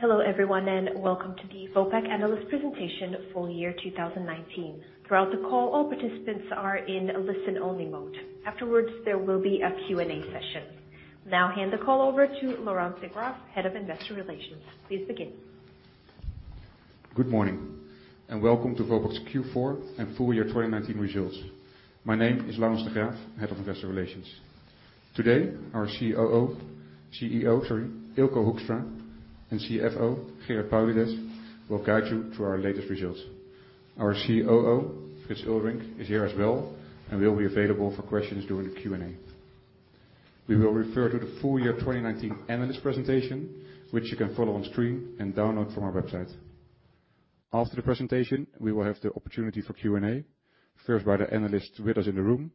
Hello, everyone, and welcome to the Vopak Analyst Presentation Full Year 2019. Throughout the call, all participants are in listen only mode. Afterwards, there will be a Q&A session. Now I hand the call over to Laurens de Graaf, Head of Investor Relations. Please begin. Good morning, and welcome to Vopak's Q4 and full year 2019 results. My name is Laurens de Graaf, Head of Investor Relations. Today, our CEO, Eelco Hoekstra, and CFO, Gerard Paulides, will guide you through our latest results. Our COO, Frits Eulderink, is here as well and will be available for questions during the Q&A. We will refer to the full year 2019 analyst presentation, which you can follow on stream and download from our website. After the presentation, we will have the opportunity for Q&A, first by the analysts with us in the room,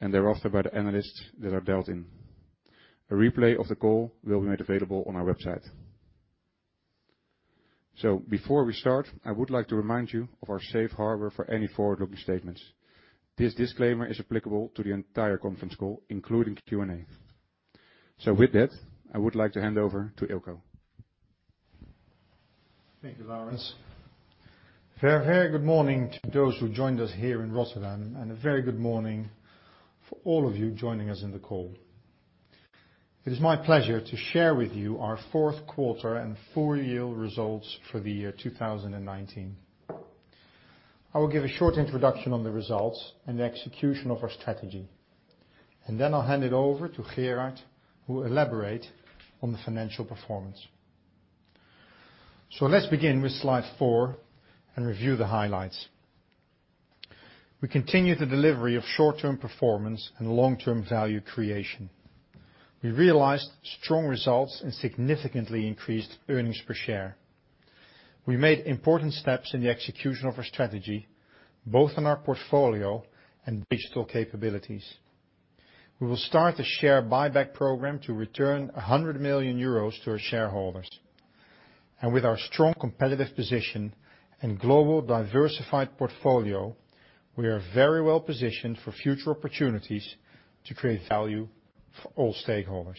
and thereafter by the analysts that are dialed in. A replay of the call will be made available on our website. Before we start, I would like to remind you of our safe harbor for any forward-looking statements. This disclaimer is applicable to the entire conference call, including Q&A. With that, I would like to hand over to Eelco. Thank you, Laurens. A very good morning to those who joined us here in Rotterdam, and a very good morning for all of you joining us on the call. It is my pleasure to share with you our fourth quarter and full year results for the year 2019. I will give a short introduction on the results and the execution of our strategy, and then I'll hand it over to Gerard, who will elaborate on the financial performance. Let's begin with slide four and review the highlights. We continue the delivery of short-term performance and long-term value creation. We realized strong results and significantly increased earnings per share. We made important steps in the execution of our strategy, both in our portfolio and digital capabilities. We will start the share buyback program to return 100 million euros to our shareholders. With our strong competitive position and global diversified portfolio, we are very well positioned for future opportunities to create value for all stakeholders.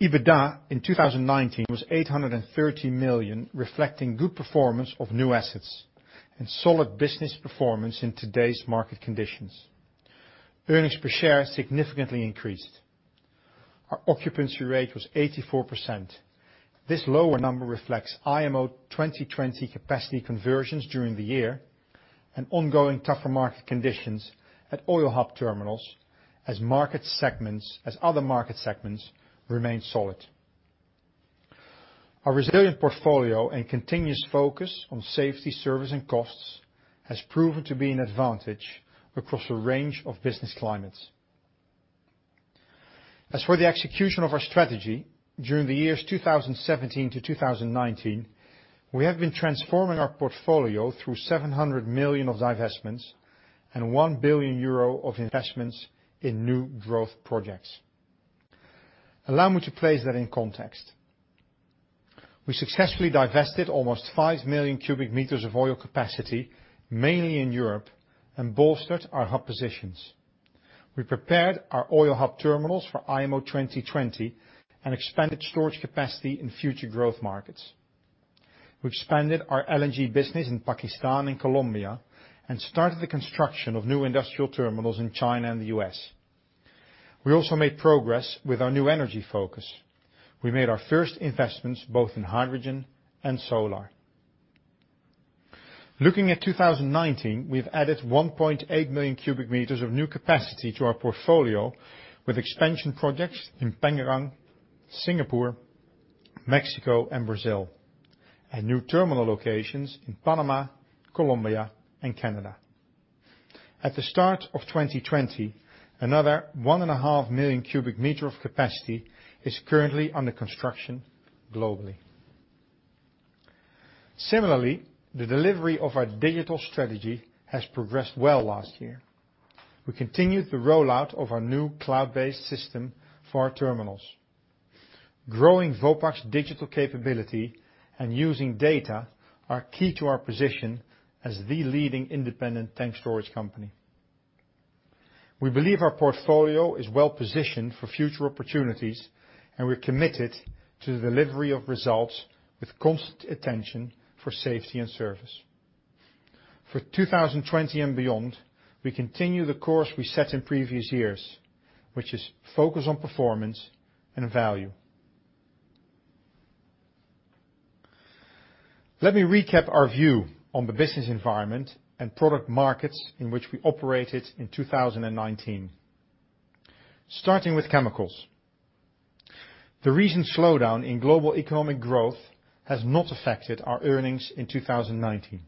EBITDA in 2019 was 830 million, reflecting good performance of new assets and solid business performance in today's market conditions. Earnings per share significantly increased. Our occupancy rate was 84%. This lower number reflects IMO 2020 capacity conversions during the year and ongoing tougher market conditions at oil hub terminals, as other market segments remain solid. Our resilient portfolio and continuous focus on safety, service, and costs has proven to be an advantage across a range of business climates. As for the execution of our strategy during the years 2017 to 2019, we have been transforming our portfolio through 700 million of divestments and 1 billion euro of investments in new growth projects. Allow me to place that in context. We successfully divested almost 5 million cubic meters of oil capacity, mainly in Europe, and bolstered our hub positions. We prepared our oil hub terminals for IMO 2020 and expanded storage capacity in future growth markets. We expanded our LPG business in Pakistan and Colombia and started the construction of new industrial terminals in China and the U.S. We also made progress with our new energy focus. We made our first investments both in hydrogen and solar. Looking at 2019, we've added 1.8 million cubic meters of new capacity to our portfolio with expansion projects in Pengerang, Singapore, Mexico, and Brazil, and new terminal locations in Panama, Colombia, and Canada. At the start of 2020, another 1.5 million cubic meters of capacity is currently under construction globally. Similarly, the delivery of our digital strategy has progressed well last year. We continued the rollout of our new cloud-based system for our terminals. Growing Vopak's digital capability and using data are key to our position as the leading independent tank storage company. We believe our portfolio is well positioned for future opportunities, and we're committed to the delivery of results with constant attention for safety and service. For 2020 and beyond, we continue the course we set in previous years, which is focus on performance and value. Let me recap our view on the business environment and product markets in which we operated in 2019. Starting with chemicals. The recent slowdown in global economic growth has not affected our earnings in 2019.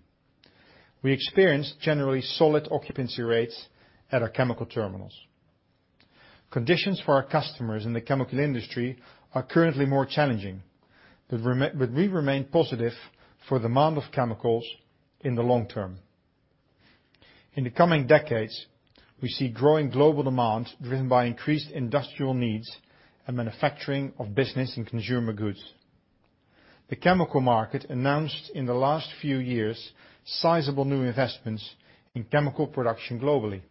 We experienced generally solid occupancy rates at our chemical terminals. Conditions for our customers in the chemical industry are currently more challenging, but we remain positive for demand of chemicals in the long term. In the coming decades, we see growing global demand driven by increased industrial needs and manufacturing of business and consumer goods. The chemical market announced in the last few years sizable new investments in chemical production globally.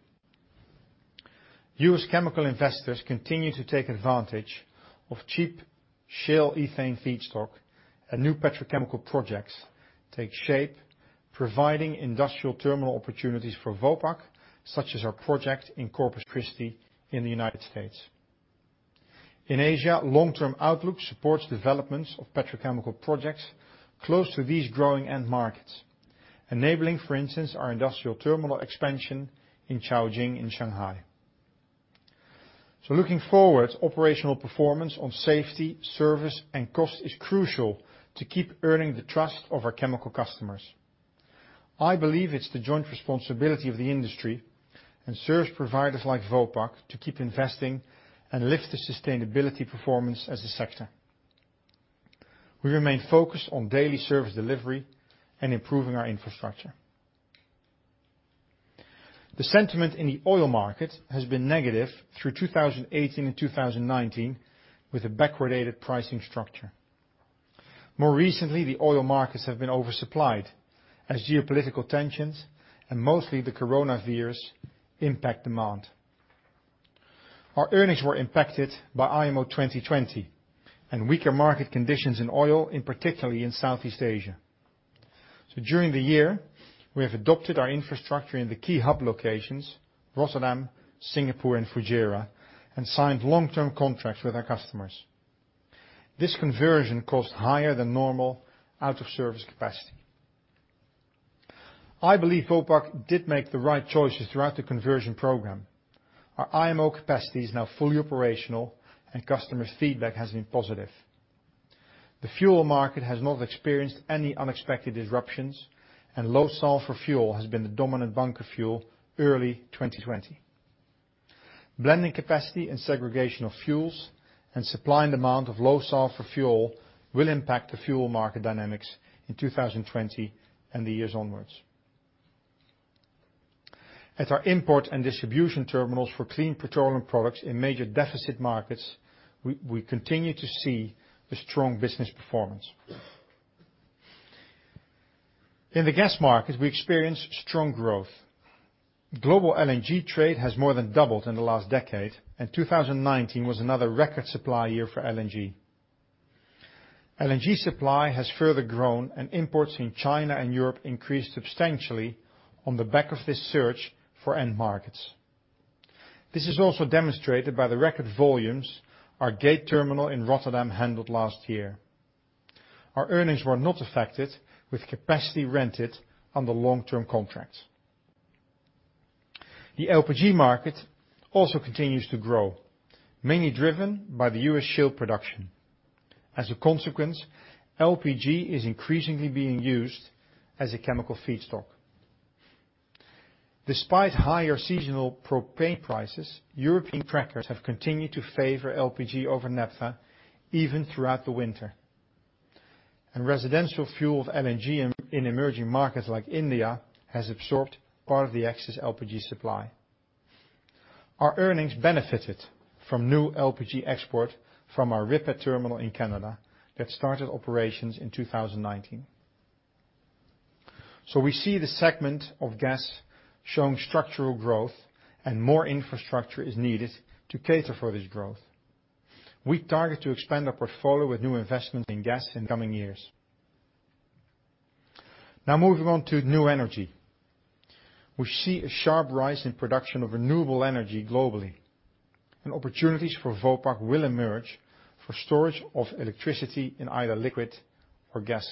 U.S. chemical investors continue to take advantage of cheap shale ethane feedstock and new petrochemical projects take shape, providing industrial terminal opportunities for Vopak, such as our project in Corpus Christi in the United States. In Asia, long-term outlook supports developments of petrochemical projects close to these growing end markets, enabling, for instance, our industrial terminal expansion in Caojing in Shanghai. Looking forward, operational performance on safety, service, and cost is crucial to keep earning the trust of our chemical customers. I believe it's the joint responsibility of the industry and service providers like Vopak to keep investing and lift the sustainability performance as a sector. We remain focused on daily service delivery and improving our infrastructure. The sentiment in the oil market has been negative through 2018 and 2019, with a backwardated pricing structure. More recently, the oil markets have been oversupplied as geopolitical tensions and mostly the coronavirus fears impact demand. Our earnings were impacted by IMO 2020 and weaker market conditions in oil, in particular in Southeast Asia. During the year, we have adapted our infrastructure in the key hub locations, Rotterdam, Singapore, and Fujairah, and signed long-term contracts with our customers. This conversion cost higher than normal out of service capacity. I believe Vopak did make the right choices throughout the conversion program. Our IMO capacity is now fully operational and customer feedback has been positive. The fuel market has not experienced any unexpected disruptions, and low sulfur fuel has been the dominant bunker fuel early 2020. Blending capacity and segregation of fuels and supply and demand of low sulfur fuel will impact the fuel market dynamics in 2020 and the years onwards. At our import and distribution terminals for clean petroleum products in major deficit markets, we continue to see a strong business performance. In the gas market, we experience strong growth. Global LPG trade has more than doubled in the last decade, and 2019 was another record supply year for LPG. LPG supply has further grown, and imports in China and Europe increased substantially on the back of this search for end markets. This is also demonstrated by the record volumes our Gate terminal in Rotterdam handled last year. Our earnings were not affected with capacity rented under long-term contracts. The LPG market also continues to grow, mainly driven by the U.S. shale production. As a consequence, LPG is increasingly being used as a chemical feedstock. Despite higher seasonal propane prices, European crackers have continued to favor LPG over naphtha even throughout the winter. Residential fuel of LNG in emerging markets like India has absorbed part of the excess LPG supply. Our earnings benefited from new LPG export from our RIPET terminal in Canada that started operations in 2019. We see the segment of gas showing structural growth and more infrastructure is needed to cater for this growth. We target to expand our portfolio with new investments in gas in the coming years. Moving on to new energy. We see a sharp rise in production of renewable energy globally, and opportunities for Vopak will emerge for storage of electricity in either liquid or gas.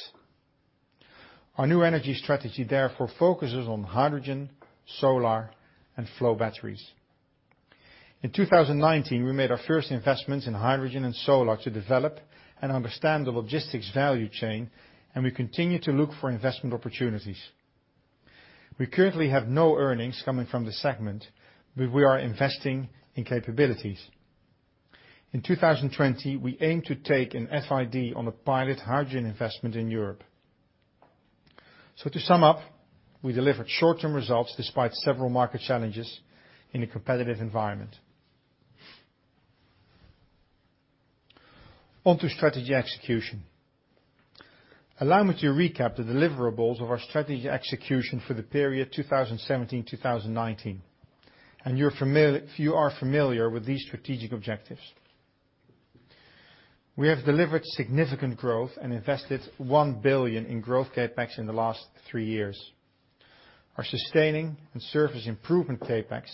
Our new energy strategy therefore focuses on hydrogen, solar, and flow batteries. In 2019, we made our first investments in hydrogen and solar to develop and understand the logistics value chain, and we continue to look for investment opportunities. We currently have no earnings coming from this segment, but we are investing in capabilities. In 2020, we aim to take an FID on a pilot hydrogen investment in Europe. To sum up, we delivered short-term results despite several market challenges in a competitive environment. On to strategy execution. Allow me to recap the deliverables of our strategy execution for the period 2017 to 2019, and you are familiar with these strategic objectives. We have delivered significant growth and invested 1 billion in growth CapEx in the last three years. Our sustaining and service improvement CapEx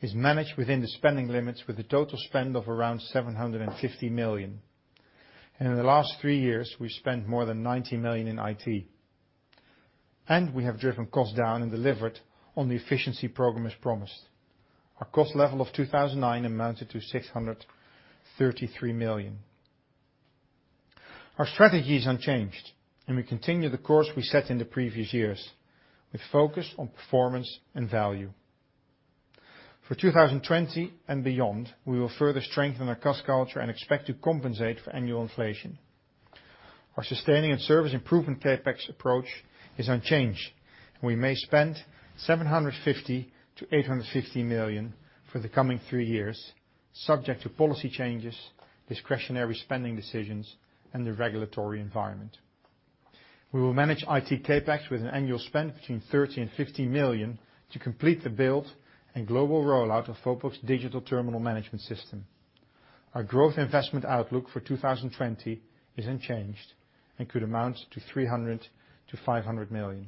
is managed within the spending limits with a total spend of around 750 million. In the last three years, we've spent more than 90 million in IT. We have driven costs down and delivered on the efficiency program as promised. Our cost level of 2019 amounted to 633 million. Our strategy is unchanged, and we continue the course we set in the previous years, with focus on performance and value. For 2020 and beyond, we will further strengthen our cost culture and expect to compensate for annual inflation. Our sustaining and service improvement CapEx approach is unchanged, and we may spend 750 million-850 million for the coming three years, subject to policy changes, discretionary spending decisions, and the regulatory environment. We will manage IT CapEx with an annual spend between 30 million and 50 million to complete the build and global rollout of Vopak's digital terminal management system. Our growth investment outlook for 2020 is unchanged and could amount to 300 million-500 million.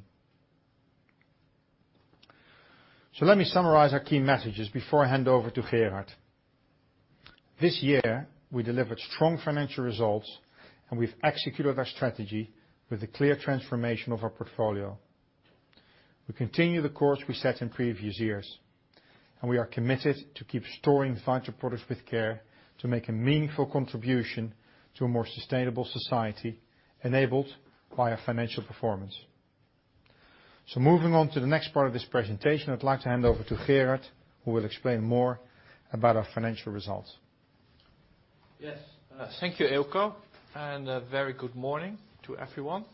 Let me summarize our key messages before I hand over to Gerard. This year, we delivered strong financial results, and we've executed our strategy with a clear transformation of our portfolio. We continue the course we set in previous years, and we are committed to keep storing vital products with care to make a meaningful contribution to a more sustainable society, enabled by our financial performance. Moving on to the next part of this presentation, I'd like to hand over to Gerard, who will explain more about our financial results. Yes. Thank you, Eelco, and a very good morning to everyone.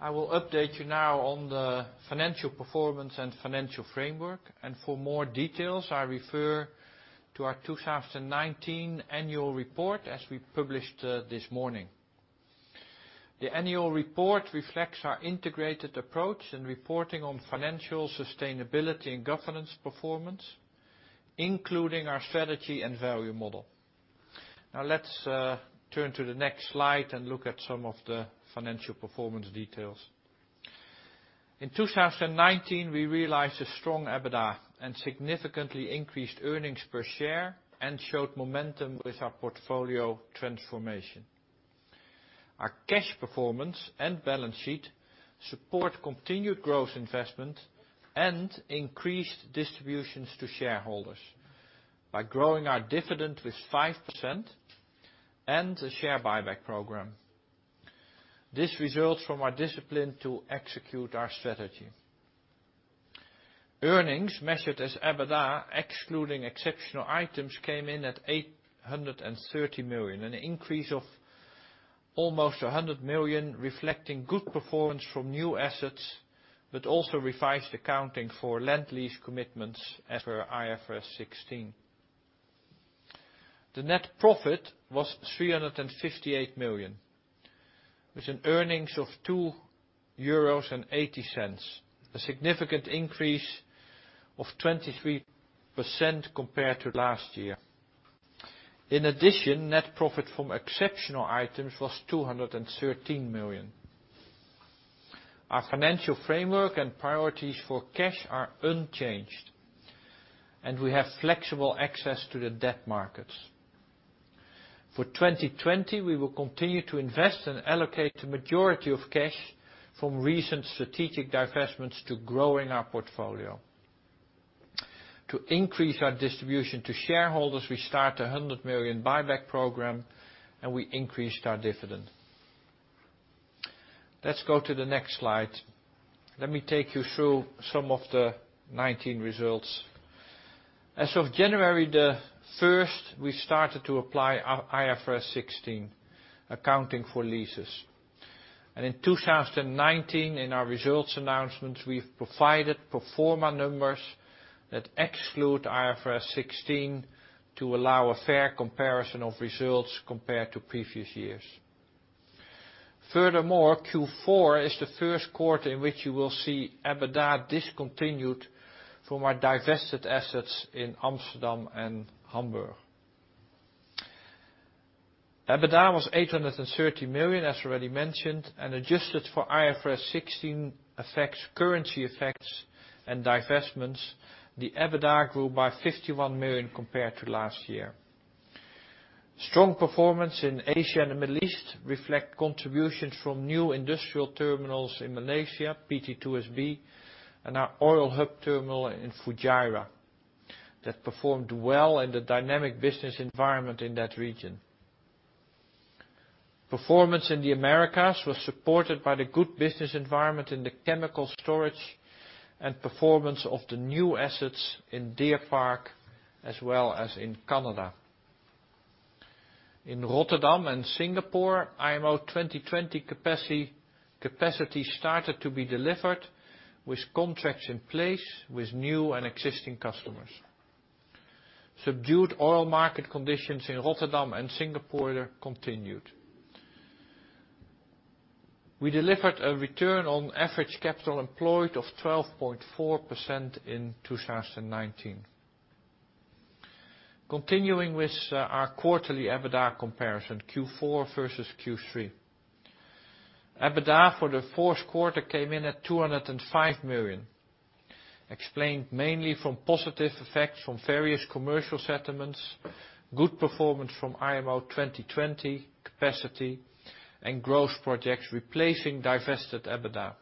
I will update you now on the financial performance and financial framework. For more details, I refer to our 2019 annual report as we published this morning. The annual report reflects our integrated approach in reporting on financial sustainability and governance performance, including our strategy and value model. Let's turn to the next slide and look at some of the financial performance details. In 2019, we realized a strong EBITDA and significantly increased earnings per share and showed momentum with our portfolio transformation. Our cash performance and balance sheet support continued growth investment and increased distributions to shareholders by growing our dividend with 5% and a share buyback program. This results from our discipline to execute our strategy. Earnings measured as EBITDA, excluding exceptional items, came in at 830 million, an increase of almost 100 million, reflecting good performance from new assets, also revised accounting for land lease commitments as per IFRS 16. The net profit was 358 million, with earnings of 2.80 euros, a significant increase of 23% compared to last year. In addition, net profit from exceptional items was 213 million. Our financial framework and priorities for cash are unchanged. We have flexible access to the debt markets. For 2020, we will continue to invest and allocate the majority of cash from recent strategic divestments to growing our portfolio. To increase our distribution to shareholders, we start a 100 million buyback program. We increased our dividend. Let's go to the next slide. Let me take you through some of the 2019 results. As of January the 1st, we started to apply our IFRS 16 accounting for leases. In 2019, in our results announcements, we've provided pro forma numbers that exclude IFRS 16 to allow a fair comparison of results compared to previous years. Furthermore, Q4 is the first quarter in which you will see EBITDA discontinued from our divested assets in Amsterdam and Hamburg. EBITDA was 830 million, as already mentioned, and adjusted for IFRS 16 effects, currency effects, and divestments, the EBITDA grew by 51 million compared to last year. Strong performance in Asia and the Middle East reflect contributions from new industrial terminals in Malaysia, PT2SB, and our oil hub terminal in Fujairah that performed well in the dynamic business environment in that region. Performance in the Americas was supported by the good business environment in the chemical storage and performance of the new assets in Deer Park as well as in Canada. In Rotterdam and Singapore, IMO 2020 capacity started to be delivered with contracts in place with new and existing customers. Subdued oil market conditions in Rotterdam and Singapore continued. We delivered a return on average capital employed of 12.4% in 2019. Continuing with our quarterly EBITDA comparison, Q4 versus Q3. EBITDA for the fourth quarter came in at 205 million, explained mainly from positive effects from various commercial settlements, good performance from IMO 2020 capacity, and growth projects replacing divested EBITDA.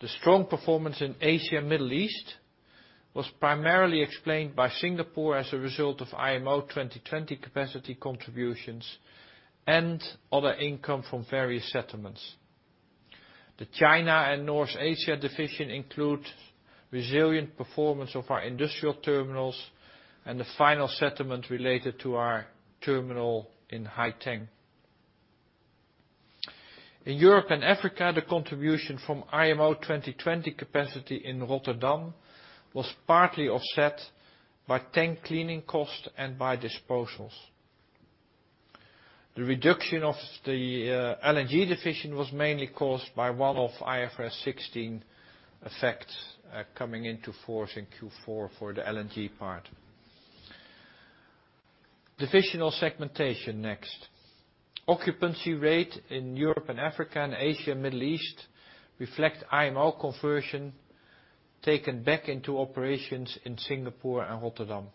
The strong performance in Asia and Middle East was primarily explained by Singapore as a result of IMO 2020 capacity contributions and other income from various settlements. The China and North Asia division include resilient performance of our industrial terminals and the final settlement related to our terminal in Haiteng. In Europe and Africa, the contribution from IMO 2020 capacity in Rotterdam was partly offset by tank cleaning costs and by disposals. The reduction of the LNG division was mainly caused by one-off IFRS 16 effects coming into force in Q4 for the LNG part. Divisional segmentation next. Occupancy rate in Europe and Africa and Asia and Middle East reflect IMO conversion taken back into operations in Singapore and Rotterdam.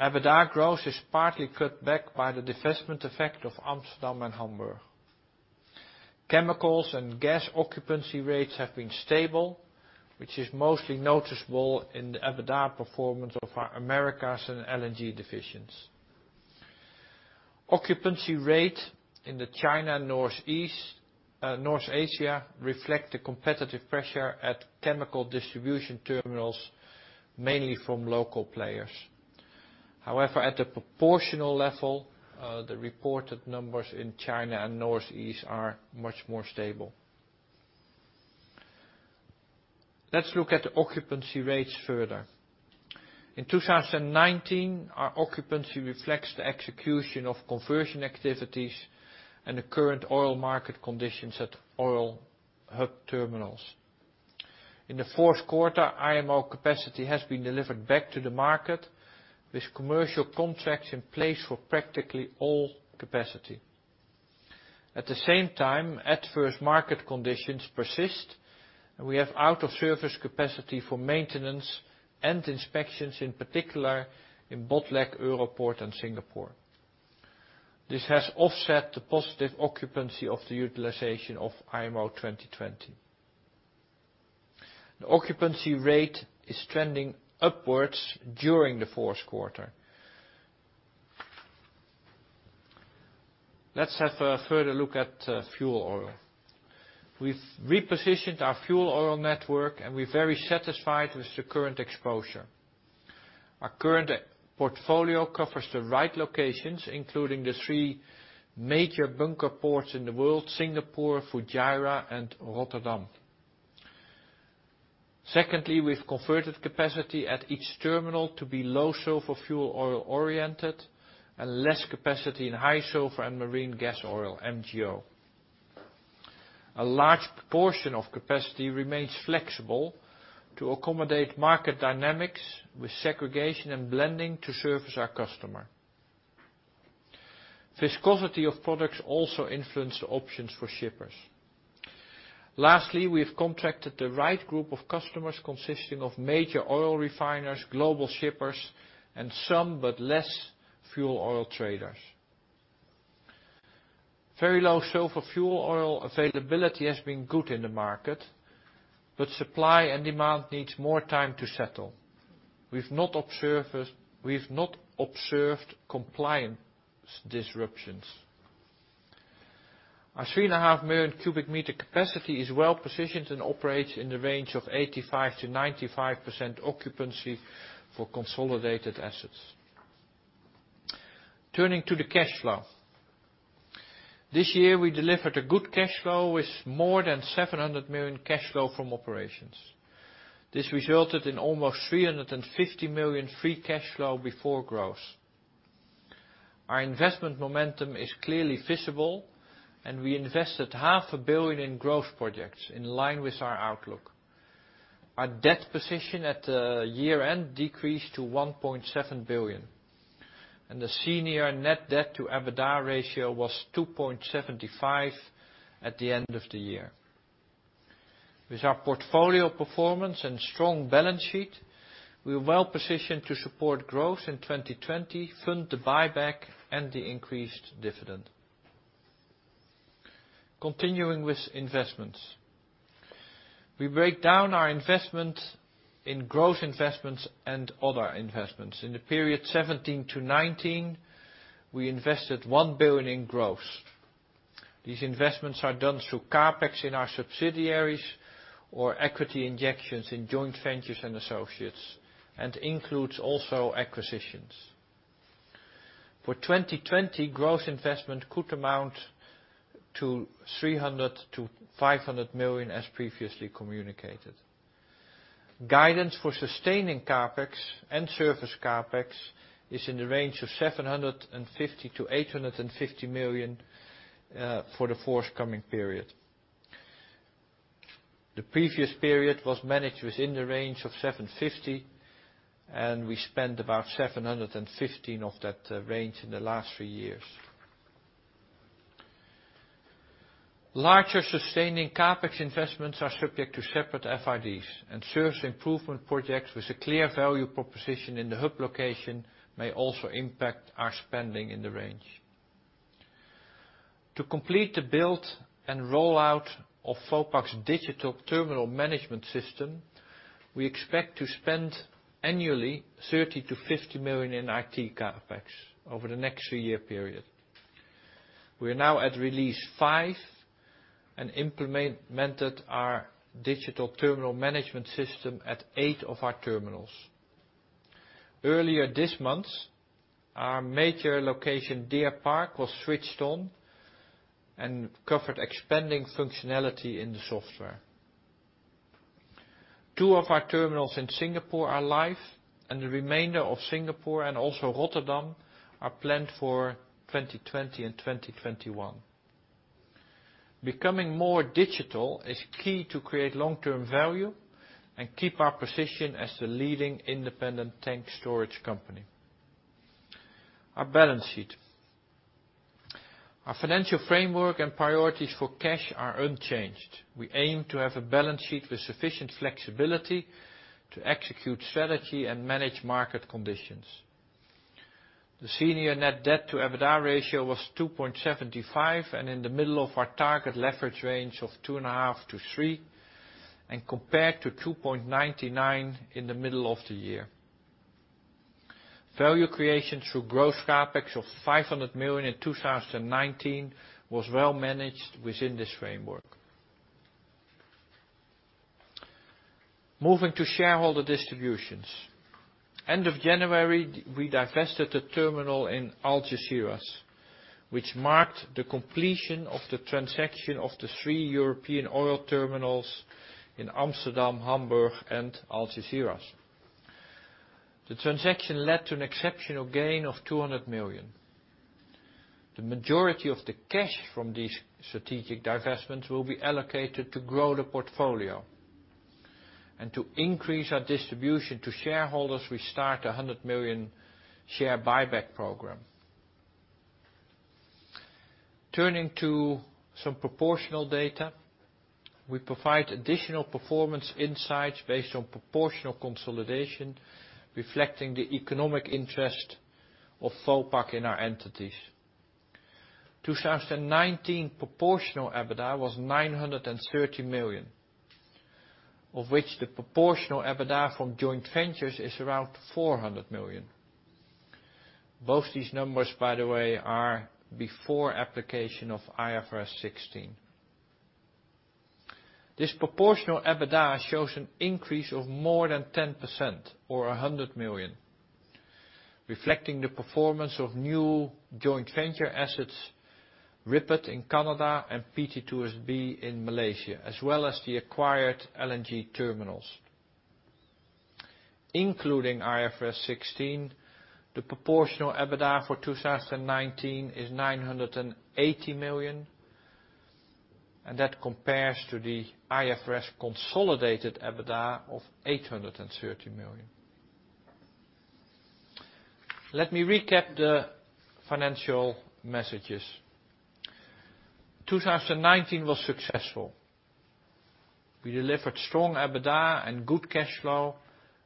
EBITDA growth is partly cut back by the divestment effect of Amsterdam and Hamburg. Chemicals and gas occupancy rates have been stable, which is mostly noticeable in the EBITDA performance of our Americas and LNG divisions. Occupancy rate in the China, North Asia reflect the competitive pressure at chemical distribution terminals, mainly from local players. However, at the proportional level, the reported numbers in China and North Asia are much more stable. Let's look at the occupancy rates further. In 2019, our occupancy reflects the execution of conversion activities and the current oil market conditions at oil hub terminals. In the fourth quarter, IMO capacity has been delivered back to the market, with commercial contracts in place for practically all capacity. At the same time, adverse market conditions persist, and we have out-of-service capacity for maintenance and inspections, in particular in Botlek, Europoort, and Singapore. This has offset the positive occupancy of the utilization of IMO 2020. The occupancy rate is trending upwards during the fourth quarter. Let's have a further look at fuel oil. We've repositioned our fuel oil network, and we're very satisfied with the current exposure. Our current portfolio covers the right locations, including the three major bunker ports in the world, Singapore, Fujairah, and Rotterdam. Secondly, we've converted capacity at each terminal to be low sulfur fuel oil-oriented and less capacity in high sulfur and marine gas oil, MGO. A large proportion of capacity remains flexible to accommodate market dynamics with segregation and blending to service our customer. Viscosity of products also influence the options for shippers. Lastly, we have contracted the right group of customers consisting of major oil refiners, global shippers, and some, but less fuel oil traders. Very low sulfur fuel oil availability has been good in the market, supply and demand needs more time to settle. We've not observed compliance disruptions. Our 3.5 million cubic meter capacity is well-positioned and operates in the range of 85%-95% occupancy for consolidated assets. Turning to the cash flow. This year, we delivered a good cash flow with more than 700 million cash flow from operations. This resulted in almost 350 million free cash flow before growth. Our investment momentum is clearly visible, and we invested half a billion in growth projects in line with our outlook. Our debt position at the year-end decreased to 1.7 billion, and the senior net debt to EBITDA ratio was 2.75 at the end of the year. With our portfolio performance and strong balance sheet, we're well positioned to support growth in 2020, fund the buyback, and the increased dividend. Continuing with investments. We break down our investment in growth investments and other investments. In the period 2017-2019, we invested 1 billion in growth. These investments are done through CapEx in our subsidiaries or equity injections in joint ventures and associates, and includes also acquisitions. For 2020, growth investment could amount to 300 million-500 million, as previously communicated. Guidance for sustaining CapEx and service CapEx is in the range of 750 million-850 million for the forthcoming period. The previous period was managed within the range of 750, and we spent about 715 of that range in the last three years. Larger sustaining CapEx investments are subject to separate FIDs, and service improvement projects with a clear value proposition in the hub location may also impact our spending in the range. To complete the build and rollout of Vopak's digital terminal management system, we expect to spend annually 30 million-50 million in IT CapEx over the next three-year period. We are now at release 5 and implemented our digital terminal management system at eight of our terminals. Earlier this month, our major location Deer Park was switched on and covered expanding functionality in the software. Two of our terminals in Singapore are live. The remainder of Singapore and also Rotterdam are planned for 2020 and 2021. Becoming more digital is key to create long-term value and keep our position as the leading independent tank storage company. Our balance sheet. Our financial framework and priorities for cash are unchanged. We aim to have a balance sheet with sufficient flexibility to execute strategy and manage market conditions. The senior net debt to EBITDA ratio was 2.75 and in the middle of our target leverage range of 2.5-3, and compared to 2.99 in the middle of the year. Value creation through growth CapEx of 500 million in 2019 was well managed within this framework. Moving to shareholder distributions. End of January, we divested the terminal in Algeciras, which marked the completion of the transaction of the three European oil terminals in Amsterdam, Hamburg, and Algeciras. The transaction led to an exceptional gain of 200 million. The majority of the cash from these strategic divestments will be allocated to grow the portfolio. To increase our distribution to shareholders, we start a 100 million share buyback program. Turning to some proportional data. We provide additional performance insights based on proportional consolidation, reflecting the economic interest of Vopak in our entities. 2019 proportional EBITDA was 930 million, of which the proportional EBITDA from joint ventures is around 400 million. Both these numbers, by the way, are before application of IFRS 16. This proportional EBITDA shows an increase of more than 10% or 100 million, reflecting the performance of new joint venture assets, RIPET in Canada and PT2SB in Malaysia, as well as the acquired LNG terminals. Including IFRS 16, the proportional EBITDA for 2019 is 980 million, and that compares to the IFRS consolidated EBITDA of EUR 830 million. Let me recap the financial messages. 2019 was successful. We delivered strong EBITDA and good cash flow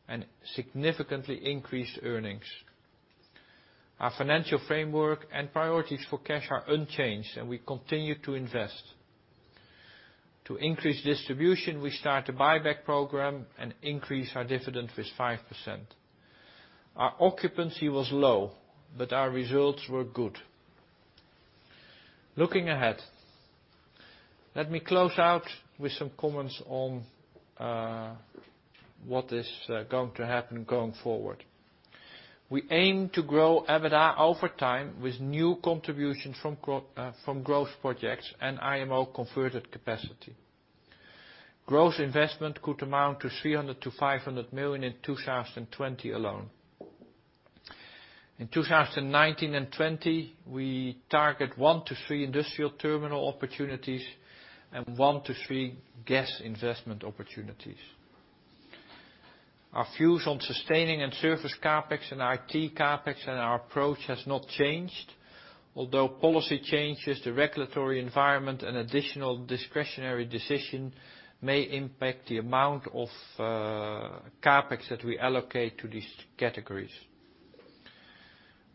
and significantly increased earnings. Our financial framework and priorities for cash are unchanged, and we continue to invest. To increase distribution, we start a buyback program and increase our dividend with 5%. Our occupancy was low, but our results were good. Looking ahead, let me close out with some comments on what is going to happen going forward. We aim to grow EBITDA over time with new contributions from growth projects and IMO converted capacity. Growth investment could amount to 300 million to 500 million in 2020 alone. In 2019 and 2020, we target one to three industrial terminal opportunities and one to three gas investment opportunities. Our views on sustaining and service CapEx and IT CapEx and our approach has not changed. Policy changes to regulatory environment and additional discretionary decision may impact the amount of CapEx that we allocate to these categories.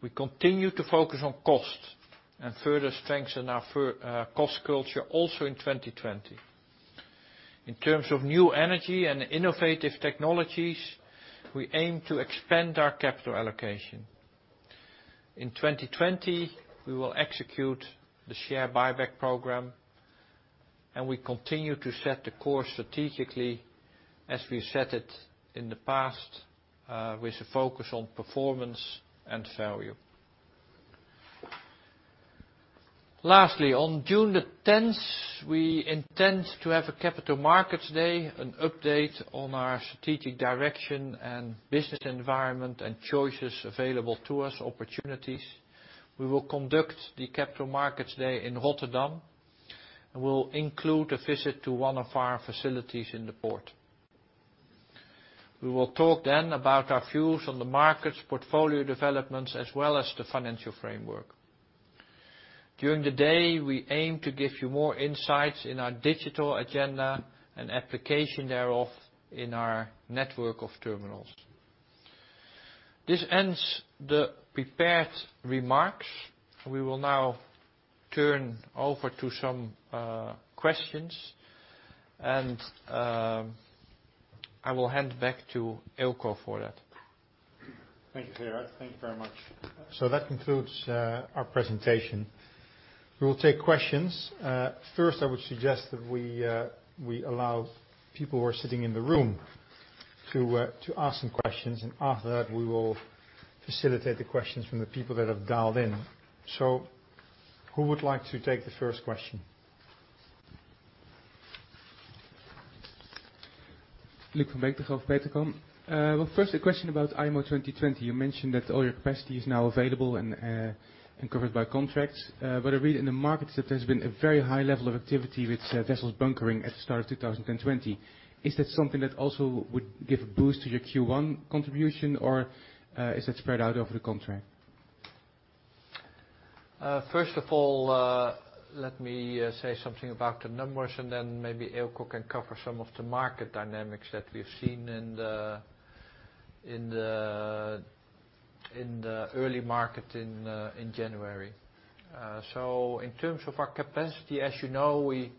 We continue to focus on cost and further strengthen our cost culture also in 2020. In terms of new energy and innovative technologies, we aim to expand our capital allocation. In 2020, we will execute the share buyback program, we continue to set the course strategically as we set it in the past, with a focus on performance and value. Lastly, on June the 10th, we intend to have a Capital Markets Day, an update on our strategic direction and business environment and choices available to us, opportunities. We will conduct the Capital Markets Day in Rotterdam, and we'll include a visit to one of our facilities in the port. We will talk then about our views on the markets, portfolio developments, as well as the financial framework. During the day, we aim to give you more insights in our digital agenda and application thereof in our network of terminals. This ends the prepared remarks. We will now turn over to some questions, and I will hand back to Eelco for that. Thank you, Gerard. Thank you very much. That concludes our presentation. We will take questions. First, I would suggest that we allow people who are sitting in the room to ask some questions, and after that, we will facilitate the questions from the people that have dialed in. Who would like to take the first question? Luuk van Beek from Degroof Petercam. Well, first a question about IMO 2020. You mentioned that all your capacity is now available and covered by contracts. What I read in the markets, that there's been a very high level of activity with vessels bunkering at the start of 2020. Is that something that also would give a boost to your Q1 contribution, or is that spread out over the contract? First of all, let me say something about the numbers and then maybe Eelco can cover some of the market dynamics that we've seen in the early market in January. In terms of our capacity, as you know, we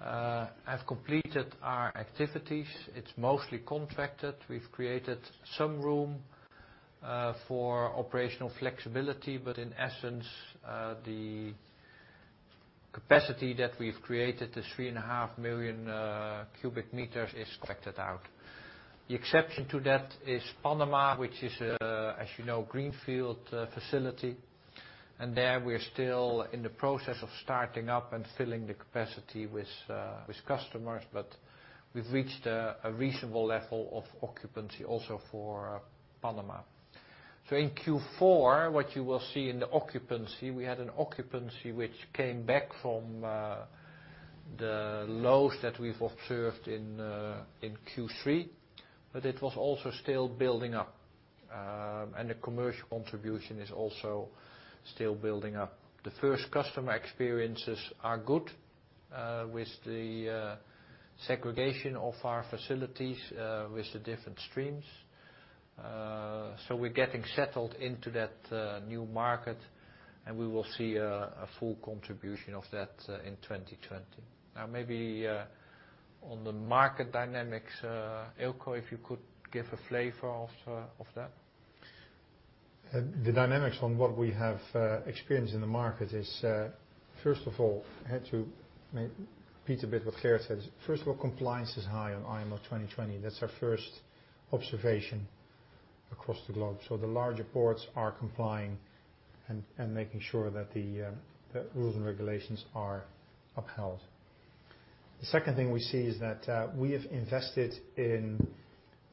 have completed our activities. It's mostly contracted. We've created some room for operational flexibility. In essence, the capacity that we've created, the three and a half million cubic meters is contracted out. The exception to that is Panama, which is a, as you know, greenfield facility. There we're still in the process of starting up and filling the capacity with customers. We've reached a reasonable level of occupancy also for Panama. In Q4, what you will see in the occupancy, we had an occupancy which came back from the lows that we've observed in Q3, but it was also still building up. The commercial contribution is also still building up. The first customer experiences are good with the segregation of our facilities with the different streams. We're getting settled into that new market, and we will see a full contribution of that in 2020. Maybe on the market dynamics, Eelco, if you could give a flavor of that. The dynamics on what we have experienced in the market is, first of all, I had to repeat a bit what Gerard said. First of all, compliance is high on IMO 2020. That's our first observation across the globe. The larger ports are complying and making sure that the rules and regulations are upheld. The second thing we see is that we have invested in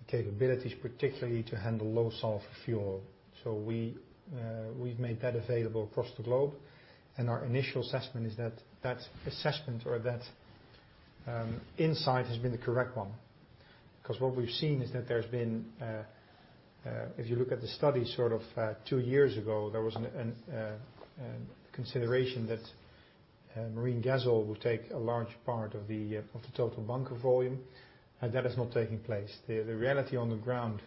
capabilities, particularly to handle low sulfur fuel. We've made that available across the globe. Our initial assessment is that assessment or that insight has been the correct one. What we've seen is that there's been, if you look at the study two years ago, there was a consideration that marine gas oil would take a large part of the total bunker volume, and that has not taken place. The reality on the ground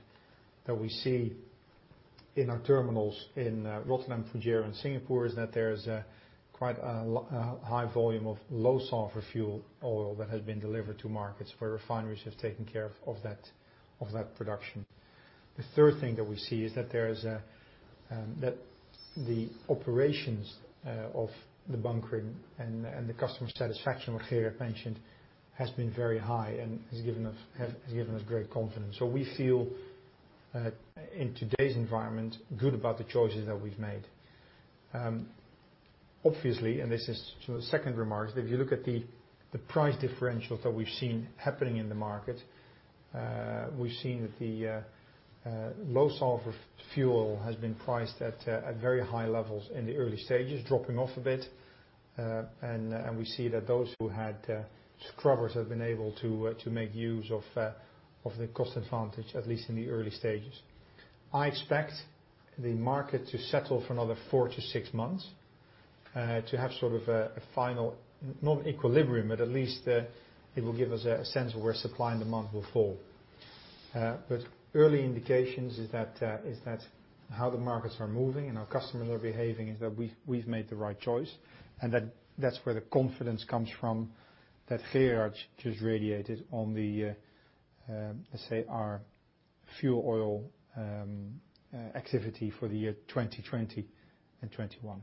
that we see in our terminals in Rotterdam, Fujairah, and Singapore is that there is quite a high volume of low sulfur fuel oil that has been delivered to markets where refineries have taken care of that production. The third thing that we see is that the operations of the bunkering and the customer satisfaction, which Gerard mentioned, has been very high and has given us great confidence. We feel, in today's environment, good about the choices that we've made. Obviously, this is the second remark, that if you look at the price differentials that we've seen happening in the market, we've seen that the low sulfur fuel has been priced at very high levels in the early stages, dropping off a bit. We see that those who had scrubbers have been able to make use of the cost advantage, at least in the early stages. I expect the market to settle for another 4-6 months to have a final, not equilibrium, but at least it will give us a sense of where supply and demand will fall. Early indications is that how the markets are moving and our customers are behaving is that we've made the right choice, and that's where the confidence comes from that Gerard just radiated on the, let's say, our fuel oil activity for the year 2020 and 2021.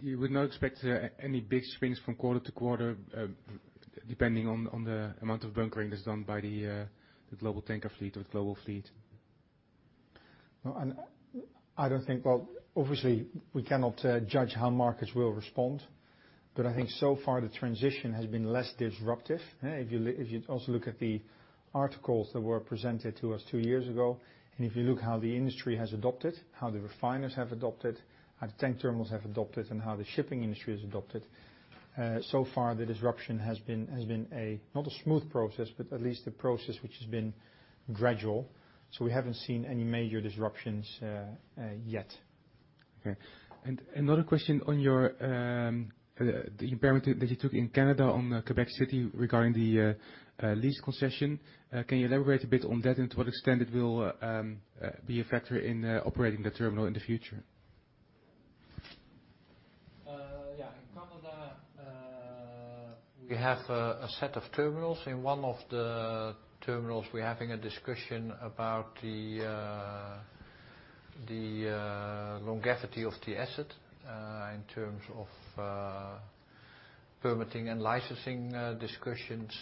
You would not expect any big swings from quarter to quarter, depending on the amount of bunkering that's done by the global tanker fleet or the global fleet? I don't think obviously, we cannot judge how markets will respond, but I think so far the transition has been less disruptive. If you also look at the articles that were presented to us 2 years ago, if you look how the industry has adopted, how the refiners have adopted, how the tank terminals have adopted, and how the shipping industry has adopted, so far the disruption has been not a smooth process, but at least a process which has been gradual. We haven't seen any major disruptions yet. Okay. Another question on the impairment that you took in Canada on Quebec City regarding the lease concession. Can you elaborate a bit on that and to what extent it will be a factor in operating the terminal in the future? In Canada, we have a set of terminals. In one of the terminals, we're having a discussion about the longevity of the asset in terms of permitting and licensing discussions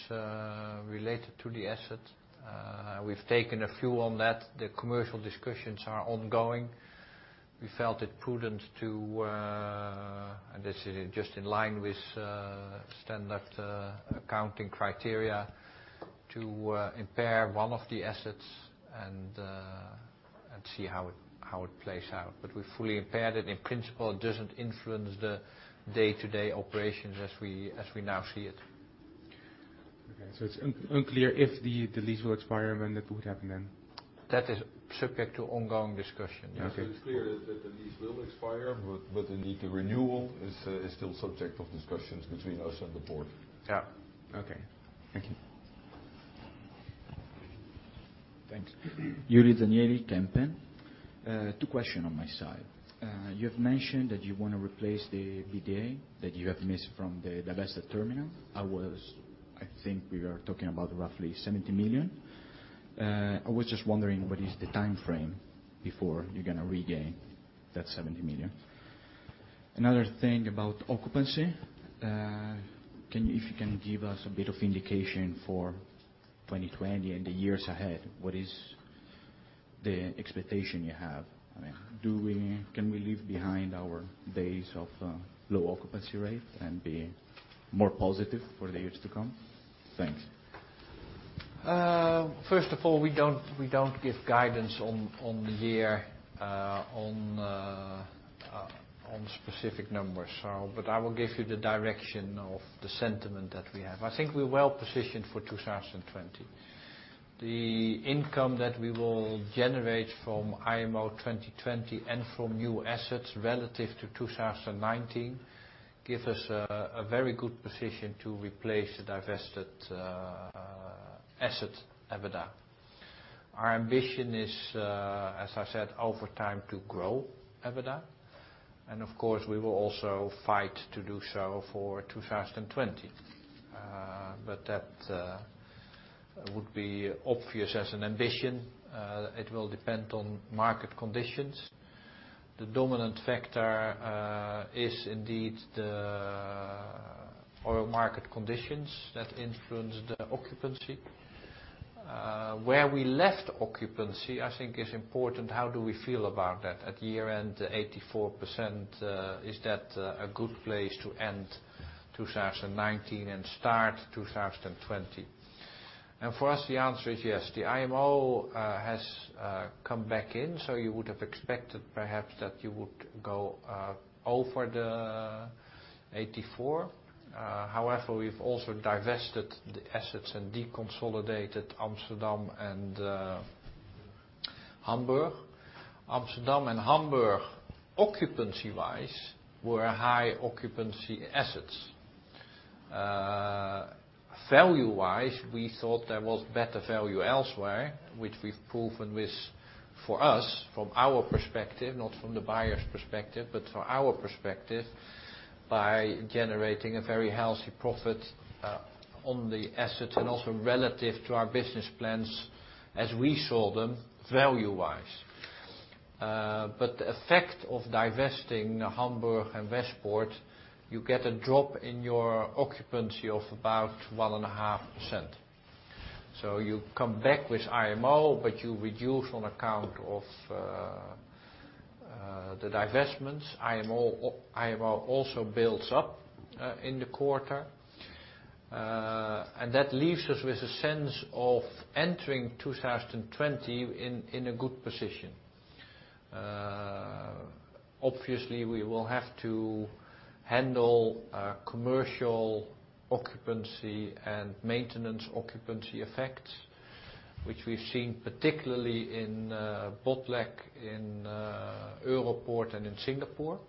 related to the asset. We've taken a few on that. The commercial discussions are ongoing. We felt it prudent to, and this is just in line with standard accounting criteria, to impair one of the assets and see how it plays out. We fully impaired it. In principle, it doesn't influence the day-to-day operations as we now see it. Okay. It's unclear if the lease will expire, and when that would happen then? That is subject to ongoing discussion. Yeah. It's clear that the lease will expire, but indeed the renewal is still subject of discussions between us and the port. Yeah. Okay. Thank you. Thanks. Yuri Zanieri, Kempen. Two question on my side. You have mentioned that you want to replace the EBITDA that you have missed from the divested terminal. I think we are talking about roughly 70 million. I was just wondering, what is the timeframe before you're going to regain that 70 million? Another thing about occupancy. If you can give us a bit of indication for 2020 and the years ahead, what is the expectation you have? Can we leave behind our base of low occupancy rate and be more positive for the years to come? Thanks. First of all, we don't give guidance on the year on specific numbers, but I will give you the direction of the sentiment that we have. I think we're well positioned for 2020. The income that we will generate from IMO 2020 and from new assets relative to 2019 gives us a very good position to replace the divested asset EBITDA. Our ambition is, as I said, over time to grow EBITDA, and of course, we will also fight to do so for 2020. That would be obvious as an ambition. It will depend on market conditions. The dominant factor is indeed the oil market conditions that influence the occupancy. Where we left occupancy, I think is important. How do we feel about that? At year-end, 84%, is that a good place to end 2019 and start 2020? For us, the answer is yes. The IMO has come back in, you would have expected perhaps that you would go over the 84. We've also divested the assets and deconsolidated Amsterdam and Hamburg. Amsterdam and Hamburg, occupancy-wise, were high occupancy assets. Value-wise, we thought there was better value elsewhere, which we've proven with, for us, from our perspective, not from the buyer's perspective, but from our perspective, by generating a very healthy profit on the assets and also relative to our business plans as we saw them value-wise. The effect of divesting Hamburg and Westpoort, you get a drop in your occupancy of about 1.5%. You come back with IMO, but you reduce on account of the divestments. IMO also builds up in the quarter. That leaves us with a sense of entering 2020 in a good position. Obviously, we will have to handle commercial occupancy and maintenance occupancy effects, which we've seen particularly in Botlek, in Europoort and in Singapore.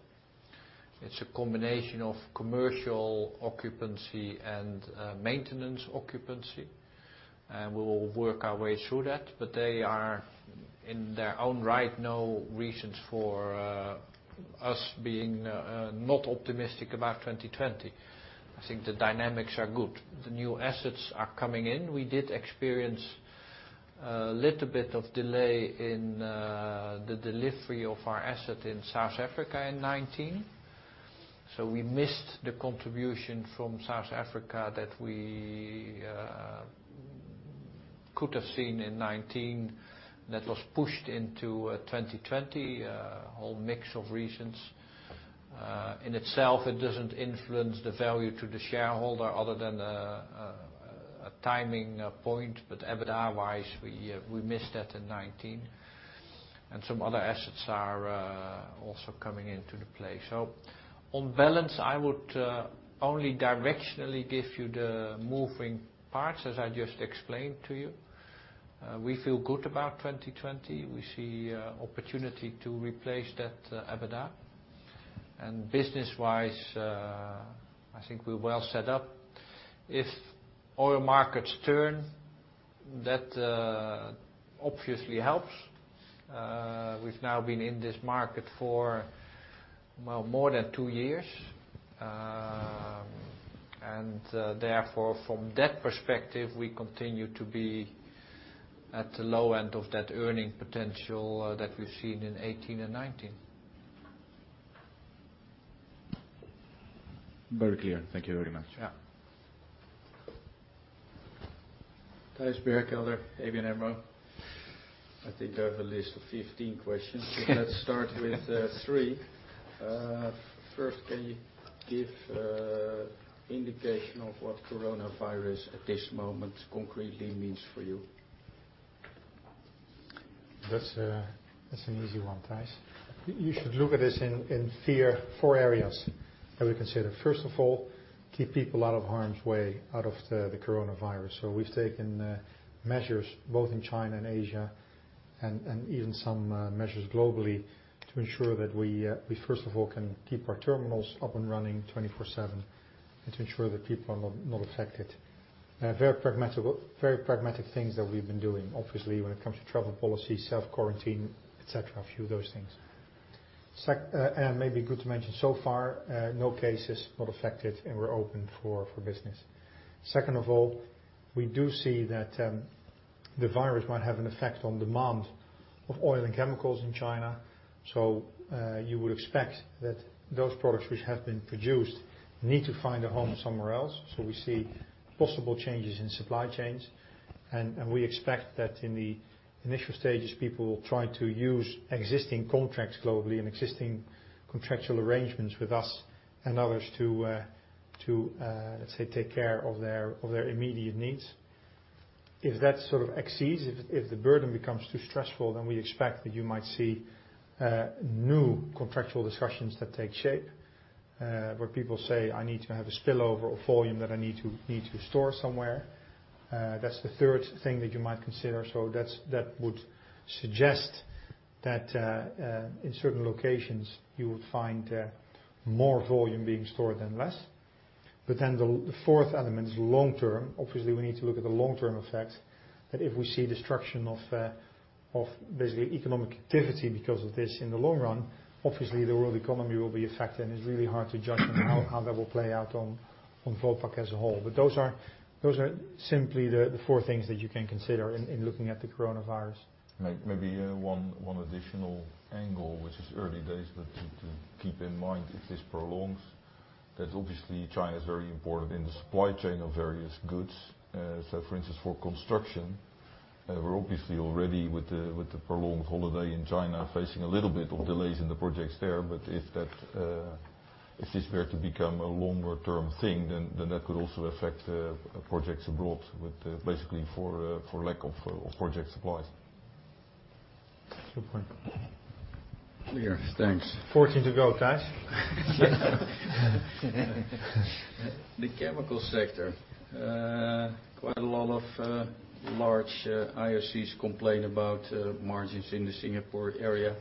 It's a combination of commercial occupancy and maintenance occupancy. We will work our way through that, but they are, in their own right, no reasons for us being not optimistic about 2020. I think the dynamics are good. The new assets are coming in. We did experience a little bit of delay in the delivery of our asset in South Africa in 2019. We missed the contribution from South Africa that we could have seen in 2019. That was pushed into 2020, a whole mix of reasons. In itself, it doesn't influence the value to the shareholder other than a timing point. EBITDA-wise, we missed that in 2019. Some other assets are also coming into play. On balance, I would only directionally give you the moving parts, as I just explained to you. We feel good about 2020. We see opportunity to replace that EBITDA. Business-wise, I think we're well set up. If oil markets turn. That obviously helps. We've now been in this market for more than two years. Therefore, from that perspective, we continue to be at the low end of that earning potential that we've seen in 2018 and 2019. Very clear. Thank you very much. Yeah. Thijs Berkelder, ABN AMRO. I think I have a list of 15 questions. Let's start with three. First, can you give indication of what coronavirus at this moment concretely means for you? That's an easy one, Thijs. You should look at this in four areas that we consider. First of all, keep people out of harm's way, out of the coronavirus. We've taken measures both in China and Asia, and even some measures globally, to ensure that we first of all can keep our terminals up and running 24/7, and to ensure that people are not affected. Very pragmatic things that we've been doing. Obviously, when it comes to travel policy, self-quarantine, et cetera, a few of those things. Maybe good to mention, so far, no cases, not affected, and we're open for business. Second of all, we do see that the virus might have an effect on demand of oil and chemicals in China. You would expect that those products which have been produced need to find a home somewhere else. We see possible changes in supply chains. We expect that in the initial stages, people will try to use existing contracts globally and existing contractual arrangements with us and others to, let's say, take care of their immediate needs. If that sort of exceeds, if the burden becomes too stressful, then we expect that you might see new contractual discussions that take shape. Where people say, "I need to have a spillover of volume that I need to store somewhere." That's the third thing that you might consider. That would suggest that in certain locations you would find more volume being stored than less. The fourth element is long term. Obviously, we need to look at the long-term effects. If we see destruction of basically economic activity because of this in the long run, obviously the world economy will be affected, and it's really hard to judge on how that will play out on Vopak as a whole. Those are simply the four things that you can consider in looking at the coronavirus. Maybe one additional angle, which is early days, but to keep in mind if this prolongs, that obviously China is very important in the supply chain of various goods. For instance, for construction, we're obviously already with the prolonged holiday in China facing a little bit of delays in the projects there. If this were to become a longer-term thing, that could also affect projects abroad, basically for lack of project supplies. Good point. Clear. Thanks. 14 to go, Thijs. The chemical sector. Quite a lot of large IOCs complain about margins in the Singapore area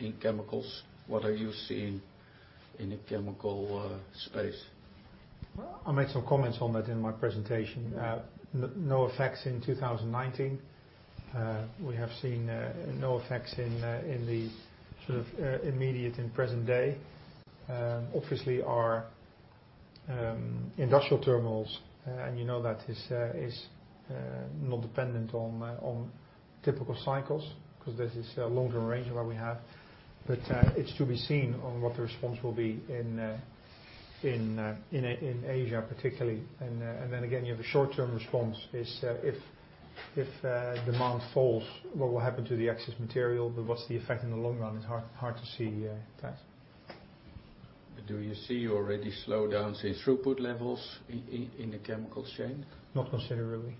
in chemicals. What are you seeing in the chemical space? Well, I made some comments on that in my presentation. No effects in 2019. We have seen no effects in the sort of immediate and present day. Obviously, our industrial terminals, and you know that is not dependent on typical cycles because this is a long-term arrangement where we have. It's to be seen on what the response will be in Asia particularly. Then again, you have a short-term response is if demand falls, what will happen to the excess material? What's the effect in the long run? It's hard to see, Thijs. Do you see already slowdowns in throughput levels in the chemical chain? Not considerably.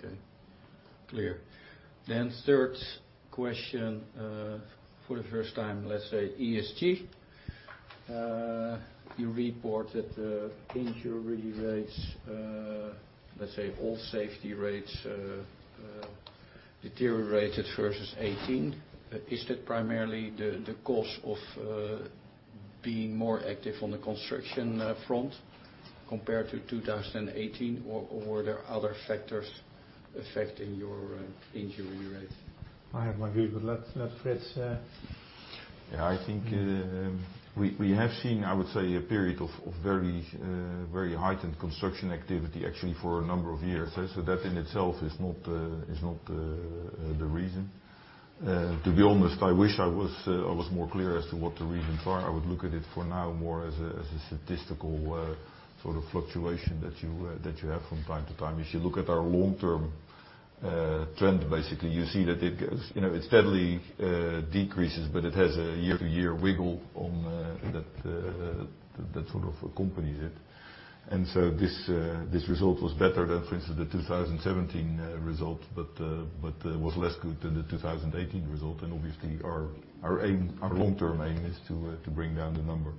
Okay. Clear. Third question, for the first time, let's say ESG. You report that injury rates, let's say all safety rates deteriorated versus 2018. Is that primarily the cost of being more active on the construction front compared to 2018? Or are there other factors affecting your injury rate? I have my view, but let Frits Yeah, I think we have seen, I would say, a period of very heightened construction activity actually for a number of years. That in itself is not the reason. To be honest, I wish I was more clear as to what the reasons are. I would look at it for now more as a statistical sort of fluctuation that you have from time to time. If you look at our long-term trend, basically, you see that it steadily decreases, but it has a year-to-year wiggle that sort of accompanies it. This result was better than, for instance, the 2017 result. Was less good than the 2018 result. Obviously our long-term aim is to bring down the number.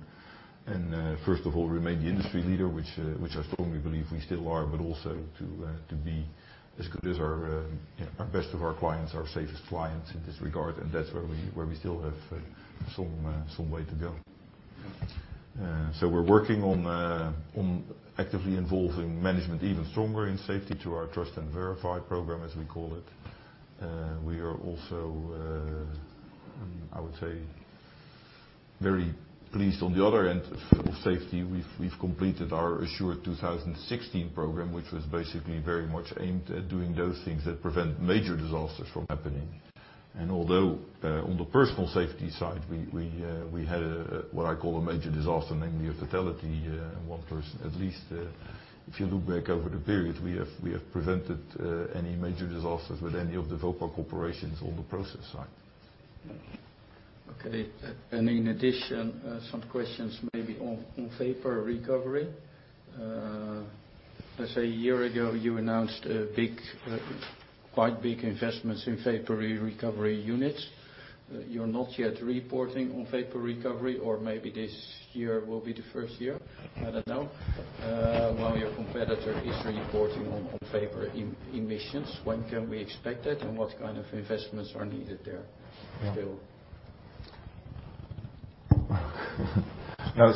First of all, remain the industry leader, which I strongly believe we still are, but also to be as good as our best of our clients, our safest clients in this regard, that's where we still have some way to go. We're working on actively involving management even stronger in safety through our Trust and Verify program, as we call it. We are also, I would say, very pleased on the other end of safety, we've completed our Assured 2016 program, which was basically very much aimed at doing those things that prevent major disasters from happening. Although on the personal safety side, we had a, what I call a major disaster, namely a fatality and one person at least. If you look back over the period, we have prevented any major disasters with any of the Vopak operations on the process side. Okay. In addition, some questions maybe on vapor recovery. Let's say a year ago, you announced quite big investments in vapor recovery units. You're not yet reporting on vapor recovery or maybe this year will be the first year, I don't know, while your competitor is reporting on vapor emissions. When can we expect it and what kind of investments are needed there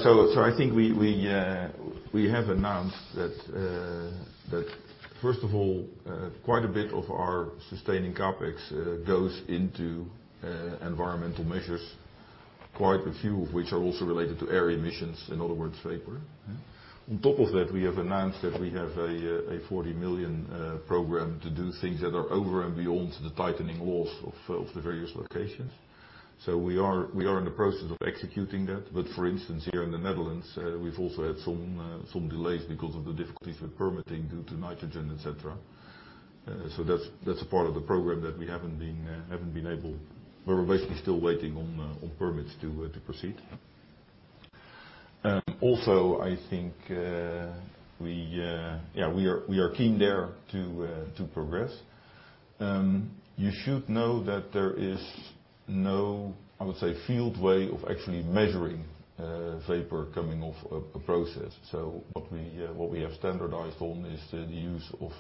still? I think we have announced that first of all, quite a bit of our sustaining CapEx goes into environmental measures, quite a few of which are also related to air emissions, in other words, vapor. Yeah. On top of that, we have announced that we have a 40 million program to do things that are over and beyond the tightening laws of the various locations. We are in the process of executing that. For instance, here in the Netherlands, we've also had some delays because of the difficulties with permitting due to nitrogen, et cetera. That's a part of the program that we're basically still waiting on permits to proceed. I think we are keen there to progress. You should know that there is no, I would say, fail-safe way of actually measuring vapor coming off a process. What we have standardized on is the use of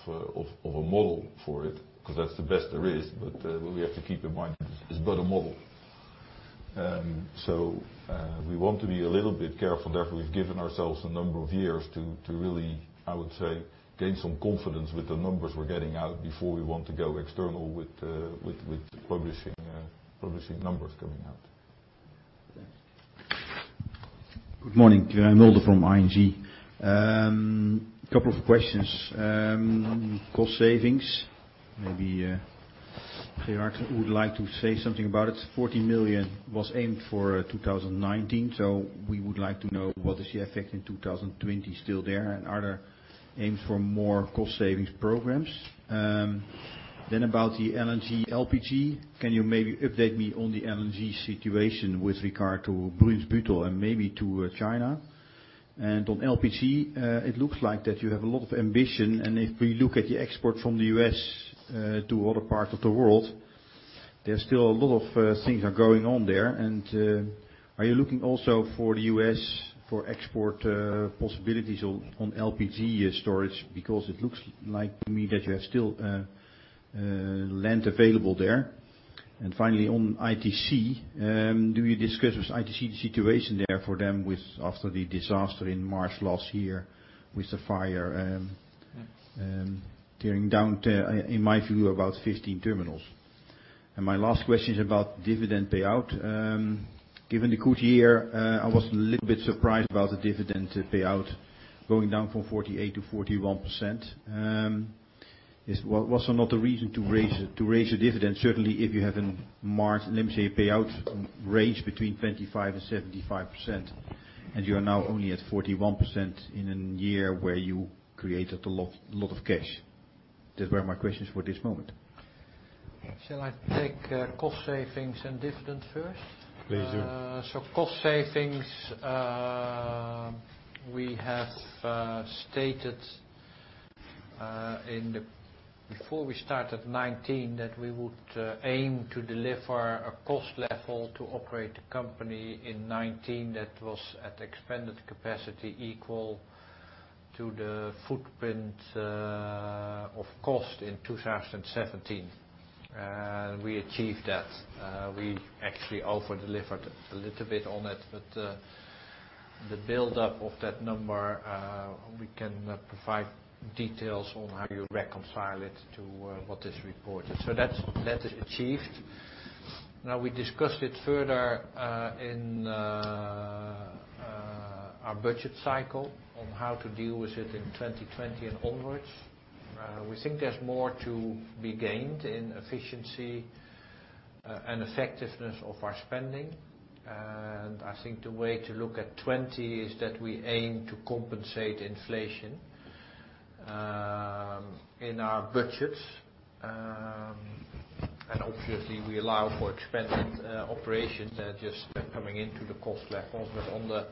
a model for it, because that's the best there is. What we have to keep in mind, it's but a model. We want to be a little bit careful there. We've given ourselves a number of years to really, I would say, gain some confidence with the numbers we're getting out before we want to go external with publishing numbers coming out. Thanks. Good morning. Quirijn Mulder from ING. I have a couple of questions. Regarding cost savings, maybe Gerard would like to say something about it. 40 million was aimed for 2019. We would like to know what is the effect in 2020 still there, and are there aims for more cost savings programs? About the LNG, LPG. Can you maybe update me on the LNG situation with regard to Brunsbüttel and maybe to China? On LPG, it looks like that you have a lot of ambition. If we look at the export from the U.S. to other parts of the world, there are still a lot of things going on there. Are you looking also for the U.S. for export possibilities on LPG storage? It looks like to me that you still have land available there. Finally, on ITC, do you discuss with ITC the situation there for them with after the disaster in March last year with the fire tearing down to, in my view, about 15 terminals? My last question is about dividend payout. Given the good year, I was a little bit surprised about the dividend payout going down from 48% to 41%. Was there not a reason to raise the dividend? Certainly if you have in March, let me say, a payout range between 25% and 75%, you are now only at 41% in a year where you created a lot of cash. Those were my questions for this moment. Shall I take cost savings and dividend first? Please do. Cost savings, we have stated before we started 2019 that we would aim to deliver a cost level to operate the company in 2019 that was at expanded capacity equal to the footprint of cost in 2017. We achieved that. We actually over-delivered a little bit on it, but the buildup of that number, we can provide details on how you reconcile it to what is reported. That is achieved. Now, we discussed it further in our budget cycle on how to deal with it in 2020 and onwards. We think there's more to be gained in efficiency and effectiveness of our spending. I think the way to look at 2020 is that we aim to compensate inflation in our budgets. Obviously we allow for expanded operations that are just coming into the cost levels. On the